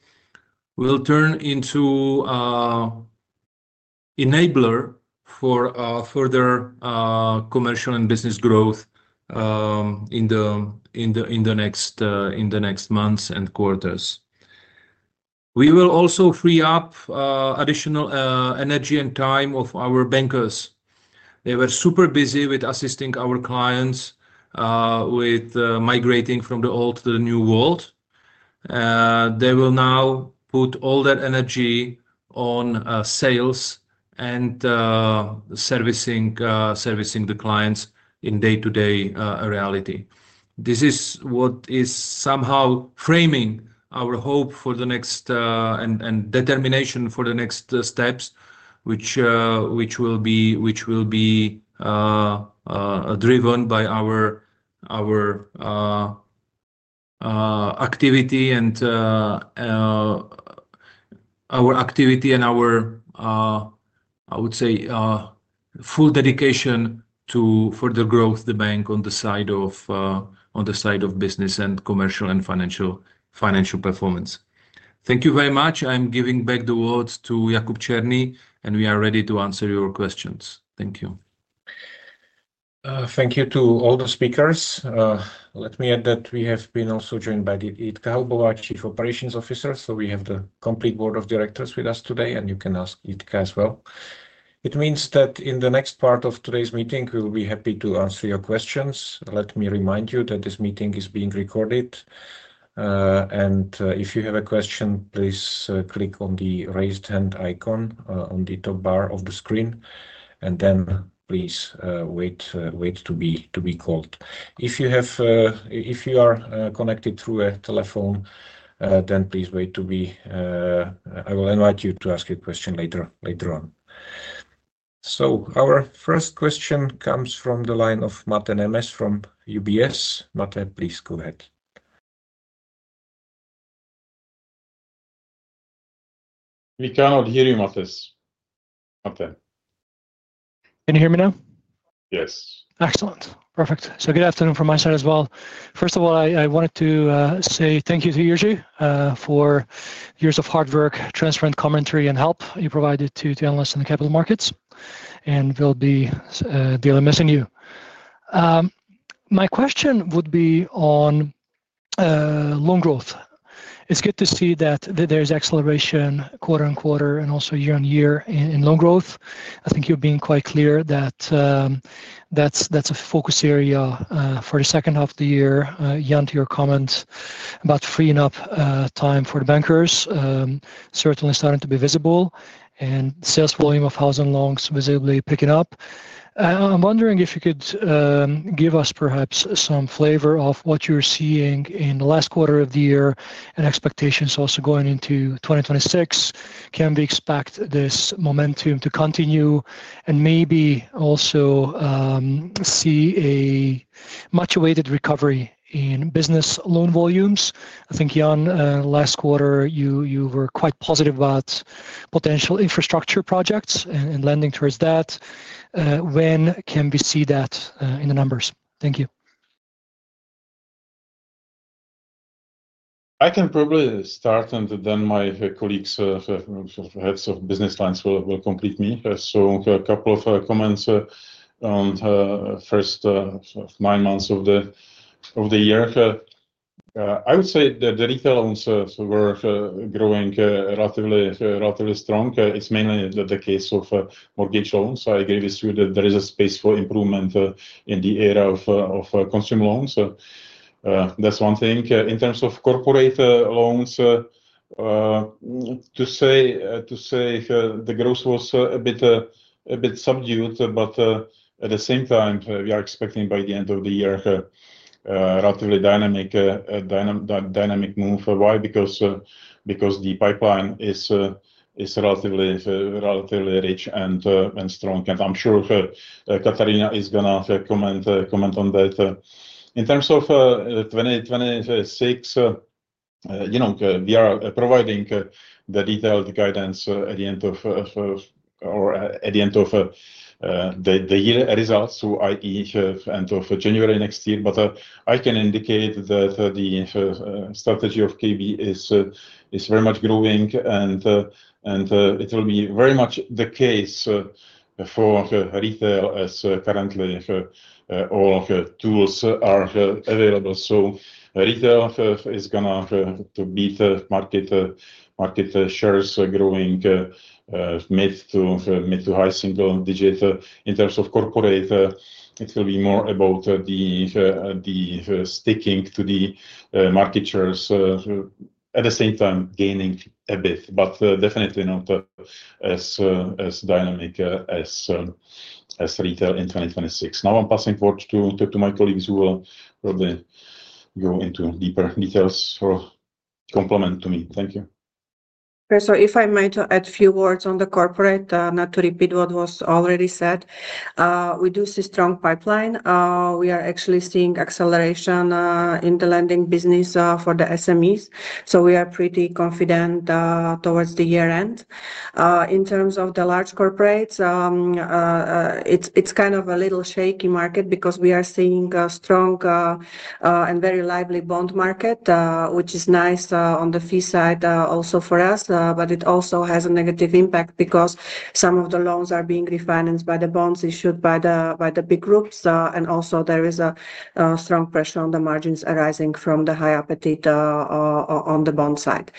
will turn into an enabler for further commercial and business growth in the next months and quarters. We will also free up additional energy and time of our bankers. They were super busy with assisting our clients with migrating from the old to the new world. They will now put all their energy on sales and servicing the clients in day-to-day reality. This is what is somehow framing our hope and determination for the next steps, which will be driven by our activity and our full dedication to further grow the bank on the side of business and commercial and financial performance. Thank you very much. I'm giving back the words to Jakub Cerný and we are ready to answer your questions. Thank you. Thank you to all the speakers. Let me add that we have been also joined by the Chief Operations Officer. We have the complete Board of Directors with us today and you can ask them as well. It means that in the next part of today's meeting we will be happy to answer your questions. Let me remind you that this meeting is being recorded and if you have a question please click on the raised hand icon on the top bar of the screen and then please wait to be called. If you are connected through a telephone please wait to be invited to ask a question later on. Our first question comes from the line of [Martin Ms.] from UBS. Martin, please go ahead. We cannot hear you, [Martin]. Can you hear me now? Yes. Excellent, perfect. Good afternoon from my side as well. First of all, I wanted to say thank you to Jiří for years of hard work, transparent commentary, and help you provided to analysts in the capital markets and will be daily missing you. My question would be on loan growth. It's good to see that there's acceleration quarter on quarter and also year on year in loan growth. I think you're being quite clear that that's a focus area for the second half of the year. Jan, to your comments about freeing up time for the bankers, certainly starting to be visible and sales volume of housing loans visibly picking up. I'm wondering if you could give us perhaps some flavor of what you're seeing in the last quarter of the year and expectations also going into 2026. Can we expect this momentum to continue and maybe also see a much awaited recovery in business loan volumes? I think Jan, last quarter you were quite positive about potential infrastructure projects and lending towards that. When can we see that in the numbers? Thank you. I can probably start and then my colleagues Heads of Business Lines will complete me. A couple of comments on first nine months of the year, I would say that the retail owners were growing relatively, relatively strong. It's mainly the case of mortgage loans. I agree with you that there is a space for improvement in the era of consumer loans. That's one thing. In terms of corporate loans, the growth was a bit subdued, but at the same time we are expecting by the end of the year a relatively dynamic move. Why? Because the pipeline is relatively rich and strong, and I'm sure Katarína is going to comment on that. In terms of 2026, you know, we are providing the detailed guidance at the end of the year results, so i.e. end of January next year. I can indicate that the strategy of KB is very much growing, and it will be very much the case for retail as currently all of the tools are available. Retail is going to beat market shares, growing mid to high single digit. In terms of corporate, it will be more about sticking to the market shares, at the same time gaining a bit, but definitely not as dynamic as retail in 2026. Now I'm passing forward to my colleagues who will probably go into deeper details or compliment me. Thank you. If I may add a few words on the corporate. Not to repeat what was already said, we do see strong pipeline. We are actually seeing acceleration in the lending business for the SMEs. We are pretty confident towards the year end. In terms of the large corporates, it's kind of a little shaky market because we are seeing a strong and very lively bond market, which is nice on the fee side also for us, but it also has a negative impact because some of the loans are being refinanced by the bonds issued by the big groups. There is a strong pressure on the margins arising from the higher competition on the bond side.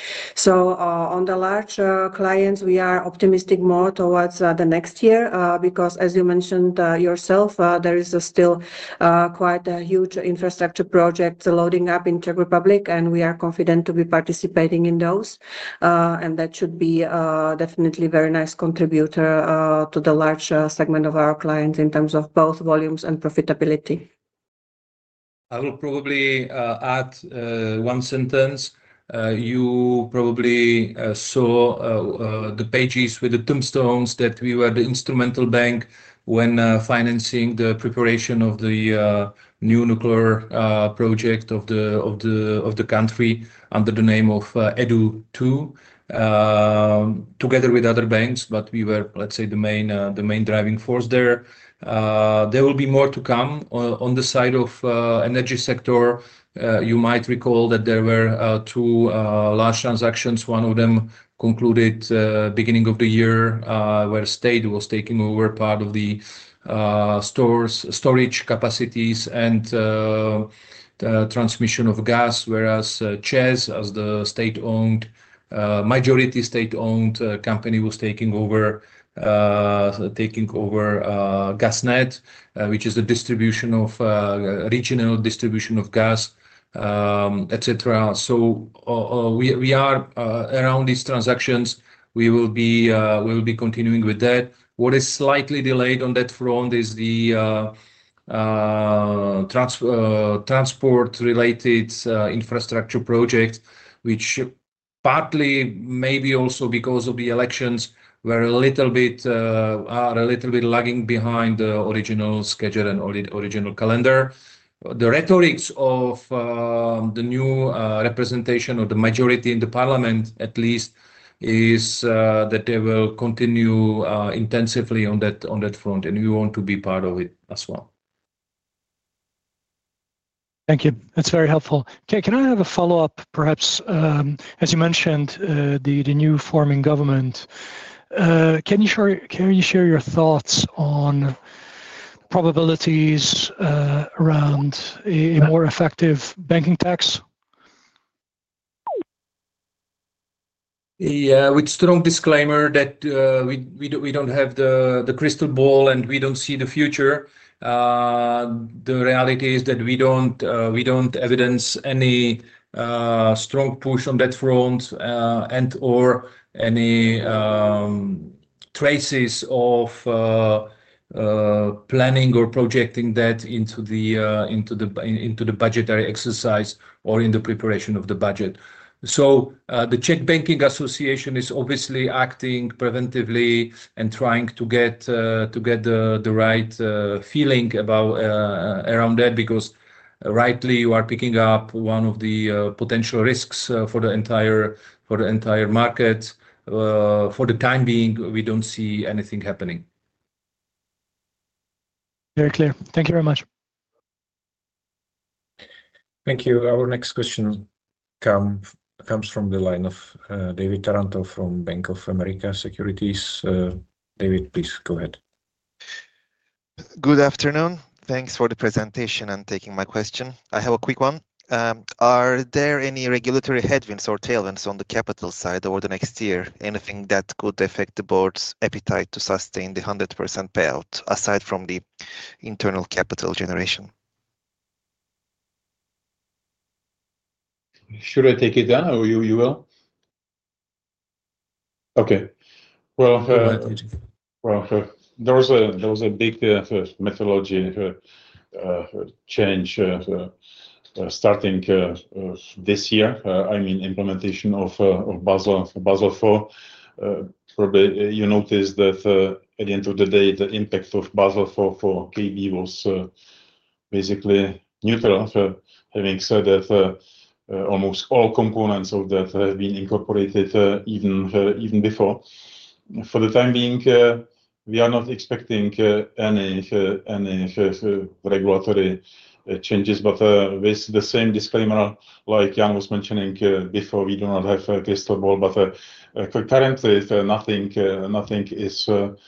On the large clients, we are optimistic more towards the next year because, as you mentioned yourself, there is still quite a huge infrastructure project loading up in Czech Republic and we are confident to be participating in those. That should be definitely very nice contributor to the large segment of our clients in terms of both volumes and profitability. I will probably add one sentence. You probably saw the pages with the tombstones that we were the instrumental bank when financing the preparation of the new nuclear project of the country under the name of EDU II together with other banks. We were, let's say, the main driving force there. There will be more to come on the side of the energy sector. You might recall that there were two large transactions, one of them concluded at the beginning of the year where the state was taking over part of the storage capacities and transmission of gas, whereas ČEZ, as the majority state-owned company, was taking over GasNet, which is the regional distribution of gas, etc. We are around these transactions. We will be continuing with that. What is slightly delayed on that front is the transfer transport-related infrastructure project, which partly, maybe also because of the elections, is a little bit lagging behind the original schedule and original calendar. The rhetoric of the new representation, or the majority in the Parliament at least, is that they will continue intensively on that front. You want to be part of it as well. Thank you, that's very helpful. Can I have a follow-up? Perhaps as you mentioned, the new forming government, can you share your thoughts on probabilities around a more effective banking tax? Yeah, with strong disclaimer that we don't have the crystal ball and we don't see the future. The reality is that we don't evidence any strong push on that front or any traces of planning or projecting that into the budgetary exercise or in the preparation of the budget. The Czech Banking Association is obviously acting preventively and trying to get the right feeling about that because rightly you are picking up one of the potential risks for the entire market. For the time being, we don't see anything happening. Very clear. Thank you very much. Thank you. Our next question comes from the line of David Taranto from Bank of America Securities. David, please go ahead. Good afternoon. Thanks for the presentation and taking my question. I have a quick one. Are there any regulatory headwinds or tailwinds on the capital side over the next year? Anything that could affect the board's appetite to sustain the 100% payout aside from the internal capital generation? Should I take it down or you will? There was a big methodology change starting this year, I mean implementation of Basel IV. Probably you notice that at the end of the day the impact of Basel IV for KB was basically neutral. Having said that, almost all components of that have been incorporated even before. For the time being, we are not expecting any regulatory changes. With the same disclaimer like Jan was mentioning before, we do not have a crystal ball, but concurrently nothing is on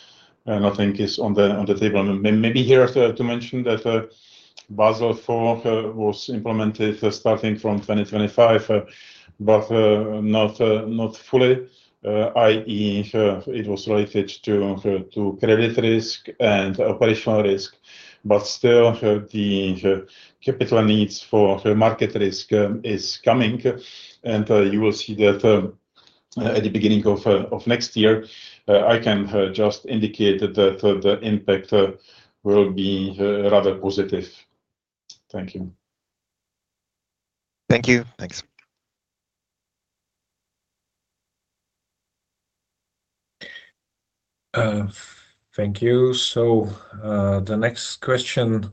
the table. Maybe here to mention that Basel IV was implemented starting from 2025, but not fully. That is, it was related to credit risk and operational risk, but still the capital needs for market risk is coming and you will see that at the beginning of next year. I can just indicate that the impact will be rather positive. Thank you. Thank you. Thanks. Thank you. The next question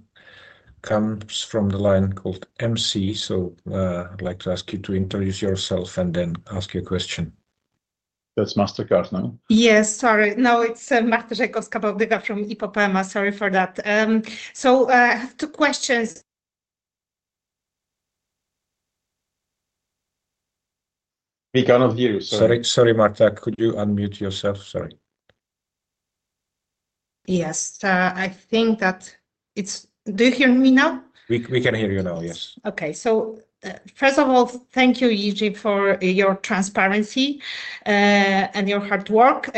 comes from the line called MC. I'd like to ask you to introduce yourself and then ask your question. That's Mastercard now. Yes, sorry, it's Marta [Oscarowa] from IPOPEMA. Sorry for that. I have two questions. We cannot hear you, sorry. Marta, could you unmute yourself? Sorry. Yes, I think that it's. Do you hear me now? We can hear you now. Yes. Okay, so first of all thank you EG for your transparency and your hard work.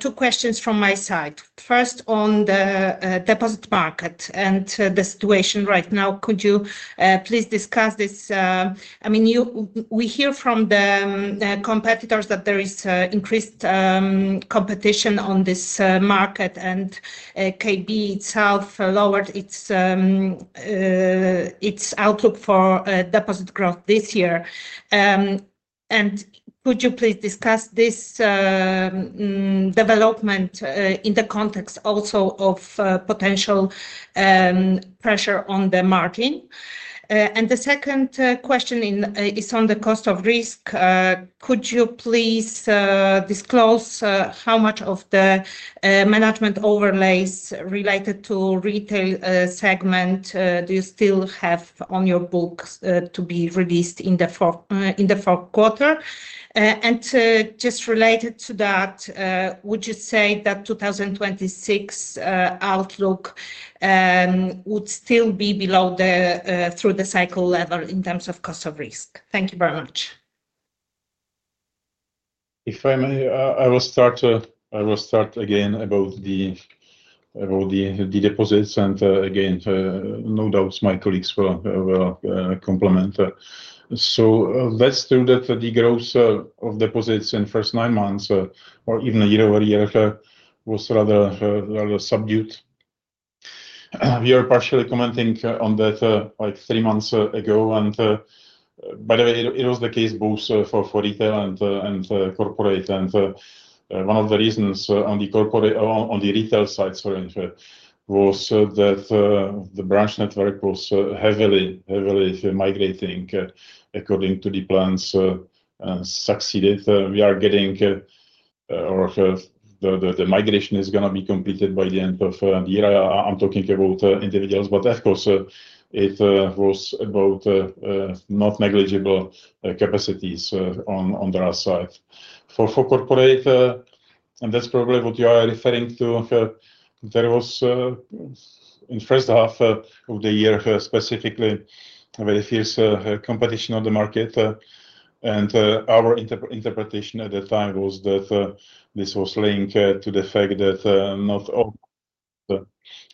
Two questions from my side. First on the deposit market and the situation right now. Could you please discuss this? We hear from the competitors that there is increased competition on this market and KB itself lowered its outlook for deposit growth this year. Could you please discuss this development in the context also of potential pressure on the margin? The second question is on the cost of risk. Could you please disclose how much of the management overlays related to retail segment you still have on your book to be released in the fourth quarter? Just related to that, would you say that 2026 outlook would still be below the through the cycle level in terms of cost of risk? Thank you very much. If I may, I will start. I will start again about the deposits and again no doubts, my colleagues will compliment. That's true that the growth of deposits in first nine months or even a year-over-year was rather subdued. We are partially commenting on that like three months ago and by the way, it was the case both for retail and corporate and one of the reasons on the retail side was that the branch network was heavily, heavily migrating according to the plans succeeded. We are getting or the migration is going to be completed by the end of the year. I'm talking about individuals but of course it was about not negligible capacities on the other side for corporate and that's probably what you are referring to. There was in first half of the year specifically very fierce competition on the market. Our interpretation at the time was that this was linked to the fact that not all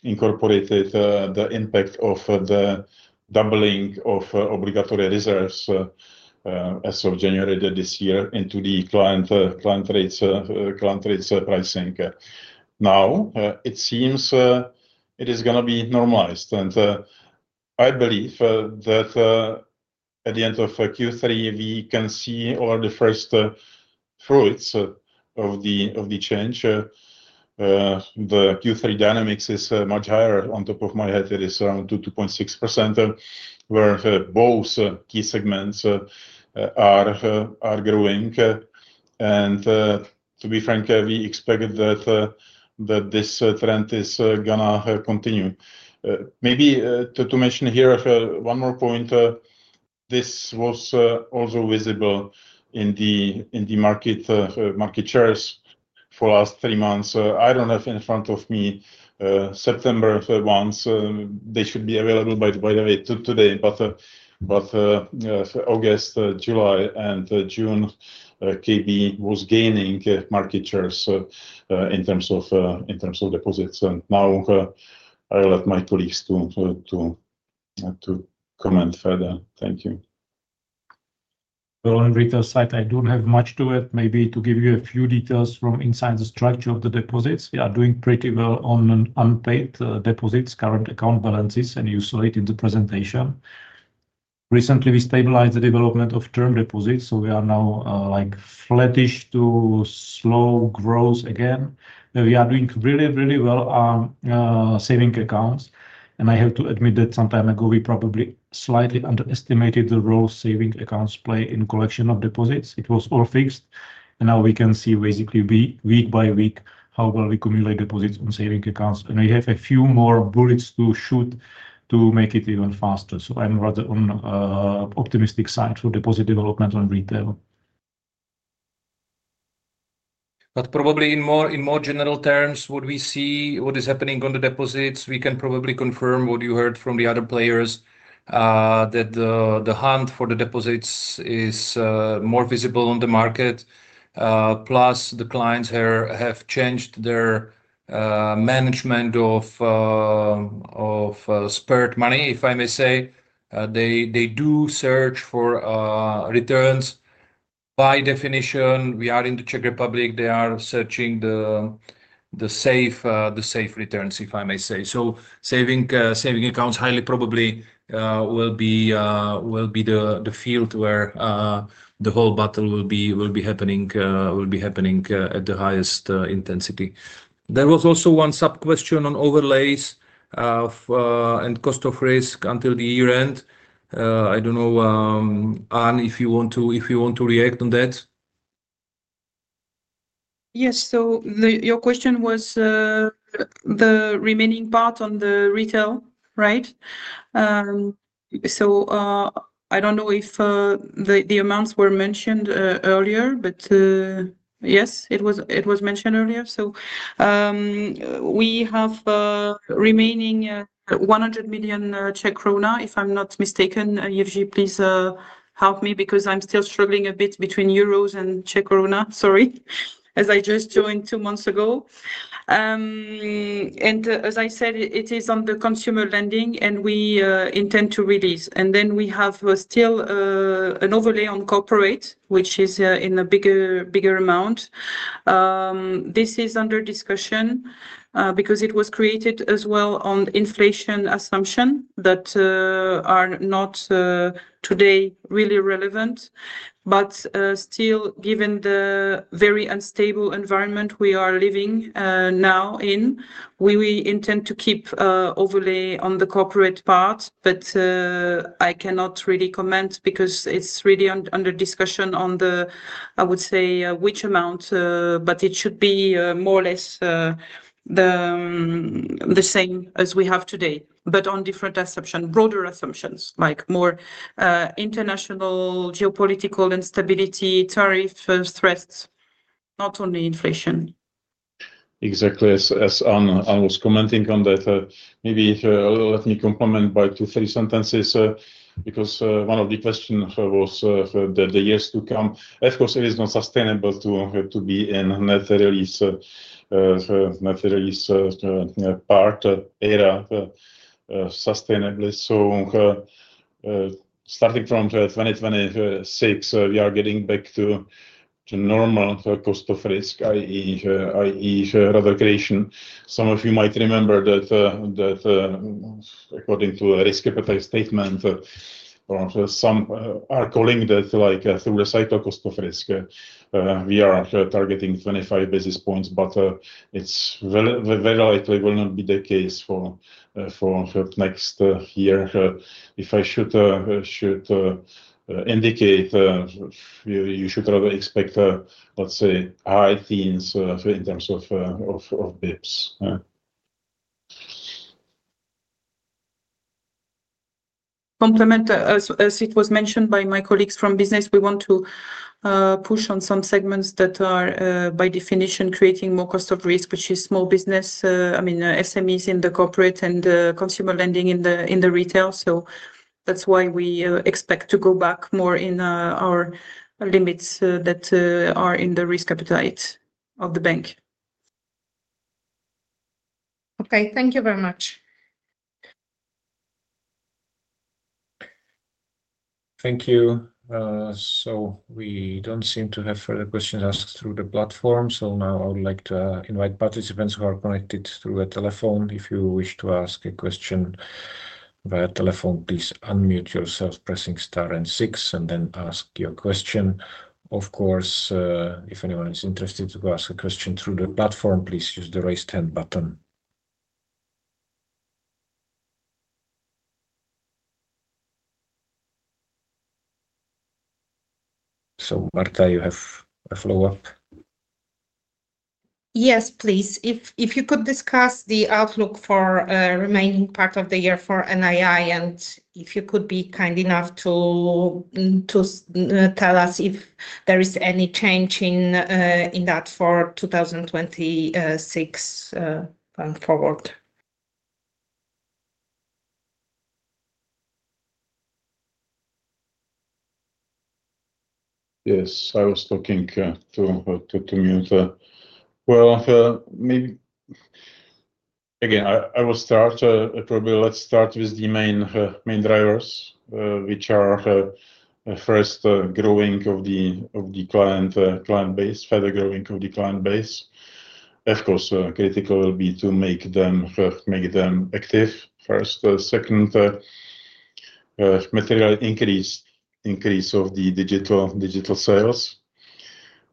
incorporated the impact of the doubling of obligatory reserves as of January this year into the client rates, client rates, pricing. Now it seems it is going to be normalized and I believe that at the end of Q3 we can see all the first fruits of the change. The Q3 dynamics is much higher on top of my head it is around 2.2-2.6% where key segments are growing and to be frank we expected that this trend is going to continue. Maybe to mention here one more point. This was also visible in the market shares for last three months. I don't have in front of me September 1st they should be available by the way today but August, July and June KB was gaining market shares in terms of deposits. Now I let my colleagues comment further. Thank you. On retail side I don't have much to it, maybe to give you a few details from inside the structure of the deposits. We are doing pretty well on unpaid deposits, current account balances, and use related in the presentation. Recently, we stabilized the development of term deposits. We are now like flattish to slow growth again. We are doing really, really well saving accounts, and I have to admit that some time ago we probably slightly underestimated the role saving accounts play in collection of deposits. It was all fixed, and now we can see basically week by week how well we accumulate deposits on saving accounts. I have a few more bullets to shoot to make it even faster. I'm rather on optimistic side for deposit development on retail. In more general terms, what we see, what is happening on the deposits, we can probably confirm what you heard from the other players. The hunt for the deposits is more visible on the market. Plus, the clients have changed their management of spurred money, if I may say. They do search for returns. By definition, we are in the Czech Republic; they are searching the safe returns, if I may say. So, saving accounts highly probably will be the field where the whole battle will be happening at the highest intensity. There was also one sub question on overlays and cost of risk until the year end. I don't know, Anne, if you want to react on that. Yes. Your question was the remaining part on the retail, right. I don't know if the amounts were mentioned earlier, but yes, it was mentioned earlier. We have remaining CZK 100 million if I'm not mistaken. Jiří, please help me because I'm still struggling a bit between Euros and Czech koruna. Sorry as I just joined two months ago. As I said, it is on the consumer lending and we intend to release, and then we have still an overlay on corporate, which is in a bigger, bigger amount. This is under discussion because it was created as well on inflation assumptions that are not today really relevant, but still, given the very unstable environment we are living now in, we intend to keep overlay on the corporate part. I cannot really comment because it's really under discussion on the, I would say, which amount, but it should be more or less the same as we have today, but on different assumptions, broader assumptions like more international geopolitical instability, tariff threats, not only inflation. Exactly. As Anne was commenting on that, maybe let me complement by two, three sentences because one of the questions was for the years to come. Of course, it is not sustainable to be in naturalist part era sustainably. Starting from 2026, we are getting back to normal cost of risk. That is radical creation. Some of you might remember that according to a risk appetite statement, some are calling that like through the cycle cost of risk. We are targeting 25 basis points, but it's very likely will not be the case for next year. If I should indicate, you should rather expect, let's say, high teens in terms of bps. As it was mentioned by my colleagues from Business, we want to push on some segments that are by definition creating more cost of risk, which is small business. I mean SMEs in the corporate and consumer lending in the retail. That's why we expect to go back more in our limits that are in the risk appetite of the bank. Okay, thank you very much. Thank you. We don't seem to have further questions asked through the platform. I would like to invite participants who are connected through a telephone. If you wish to ask a question via telephone, please unmute yourself by pressing star and six, and then ask your question. Of course, if anyone is interested to ask a question through the platform, please use the raised hand button. Marta, you have a follow up? Yes, please. If you could discuss the outlook for remaining part of the year for NII and if you could be kind enough to tell us if there is any change for 2026 going forward. Yes, I was talking to Muta. Maybe again I will start probably. Let's start with the main drivers which are first, growing of the client base. Further growing of the client base. Of course, critical will be to make them active first. Second, material increase of the digital sales.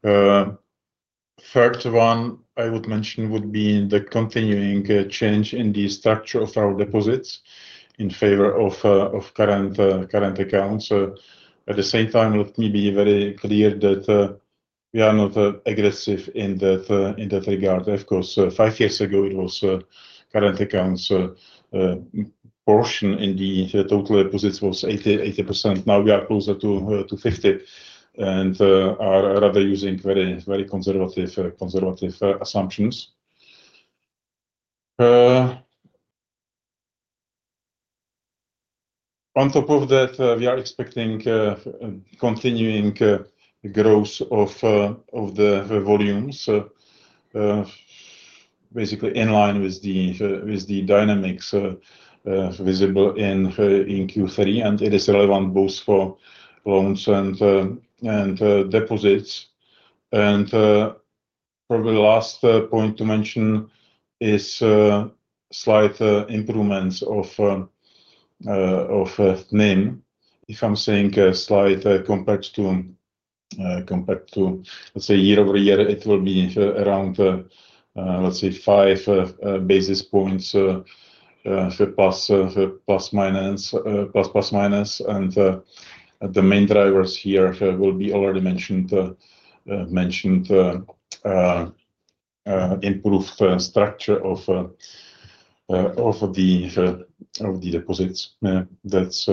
Third one I would mention would be the continuing change in the structure of our deposits in favor of current accounts. At the same time, let me be very clear that we are not aggressive in that regard. Of course, five years ago the current accounts portion in the total deposits was 80%. Now we are closer to 50% and are rather using very conservative assumptions. On top of that, we are expecting continuing growth of the volumes basically in line with the dynamics visible in Q3 and it is relevant both for loans and deposits. Probably last point to mention is slight improvements of NIM. If I'm saying slight compared to, let's say, year-over-year, it will be around, let's say, 5 basis points plus minus, plus minus, and the main drivers here will be already mentioned improved structure of the deposits. That's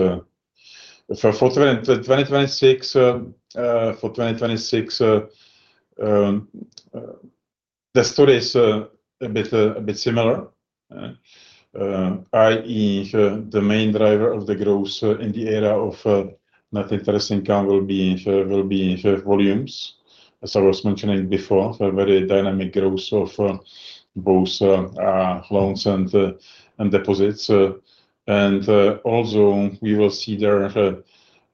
2026. For 2026, the story is a bit similar, i.e., the main driver of the growth in the area of net interest income will be volumes. As I was mentioning before, a very dynamic growth of both loans and deposits. Also, we will see there,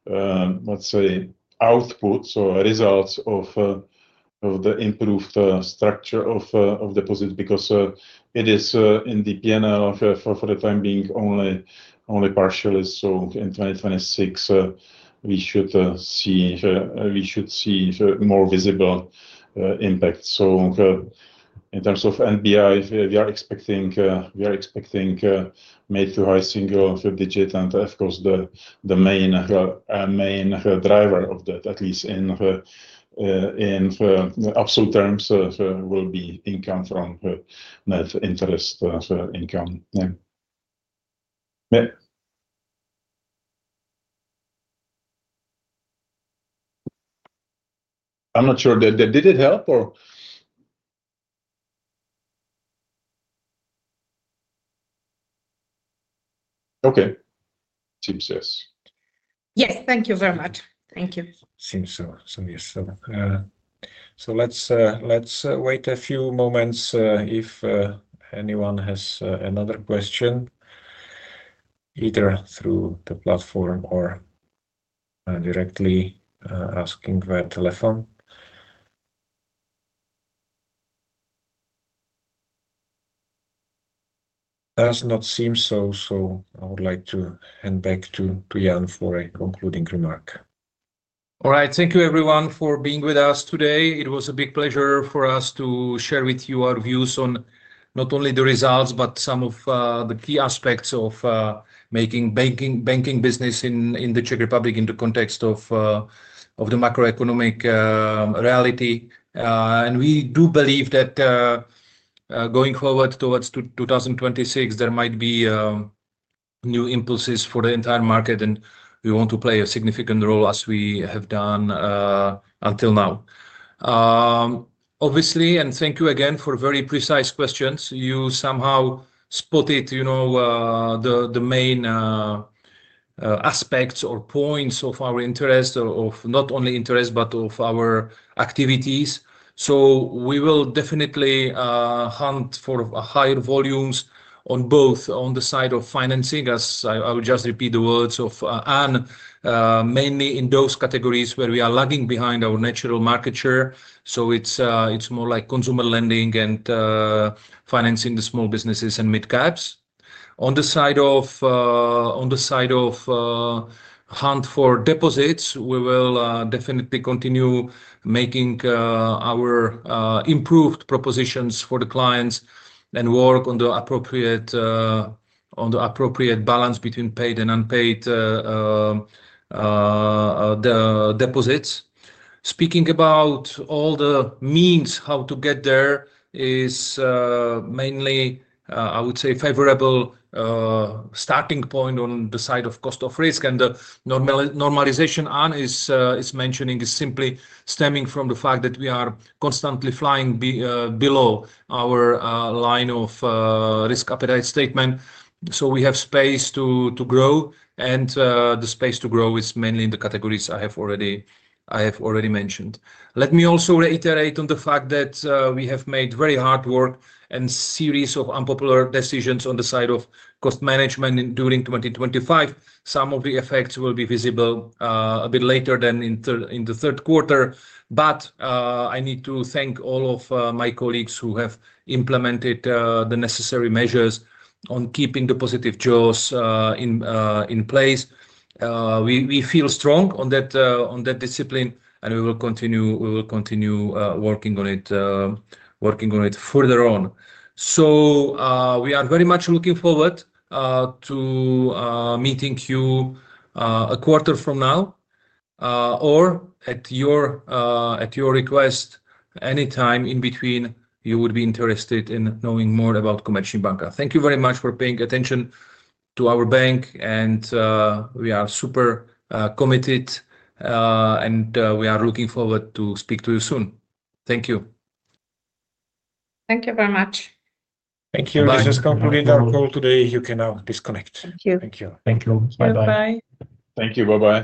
let's say, output, so results of the improved structure of deposit because it is in the P&L for the time being only partially, so in 2026 we should see more visible impact. In terms of NBI, we are expecting mid to high single digit, and of course the main driver of that, at least in absolute terms, will be income from net interest income. I'm not sure that did it help or. Okay, seems. Yes. Yes, thank you very much. Thank you. Seems so, yes. Let's wait a few moments. If anyone has another question either through the platform or directly asking via telephone, does not seem so. I would like to hand back to Jan for a concluding remark. All right, thank you everyone for being with us today. It was a big pleasure for us to share with you our views on not only the results but some of the key aspects of making banking business in the Czech Republic in the context of the macroeconomic reality. We do believe that going forward towards 2026 there might be new impulses for the entire market and we want to play a significant role as we have done until now, obviously. Thank you again for very precise questions. You somehow spotted the main aspects or points of our interest or of not only interest but of our activities. We will definitely hunt for higher volumes on both the side of financing, as I will just repeat the words of Anne, mainly in those categories where we are lagging behind our natural market share. It's more like consumer lending and financing the small businesses and mid caps. On the side of hunt for deposits, we will definitely continue making our improved propositions for the clients and work on the appropriate balance between paid and unpaid deposits. Speaking about all the means how to get there is mainly, I would say, favorable starting point on the side of cost of risk. The normalization Anne is mentioning is simply stemming from the fact that we are constantly flying below our line of risk appetite statement. We have space to grow and the space to grow is mainly in the categories I have already mentioned. Let me also reiterate on the fact that we have made very hard work and series of unpopular decisions on the side of cost management during 2025. Some of the effects will be visible a bit later than in the third quarter, but I need to thank all of my colleagues who have implemented the necessary measures on keeping the positive jaws in place. We feel strong on that discipline and we will continue working on it further on. We are very much looking forward to meeting you a quarter from now or at your request, anytime in between. You would be interested in knowing more about Komerční banka. Thank you very much for paying attention to our bank and we are super committed and we are looking forward to speak to you soon. Thank you. Thank you very much. Thank you. This has concluded our call today. You can now disconnect. Thank you. Thank you. Thank you. Bye bye. Thank you. Bye bye.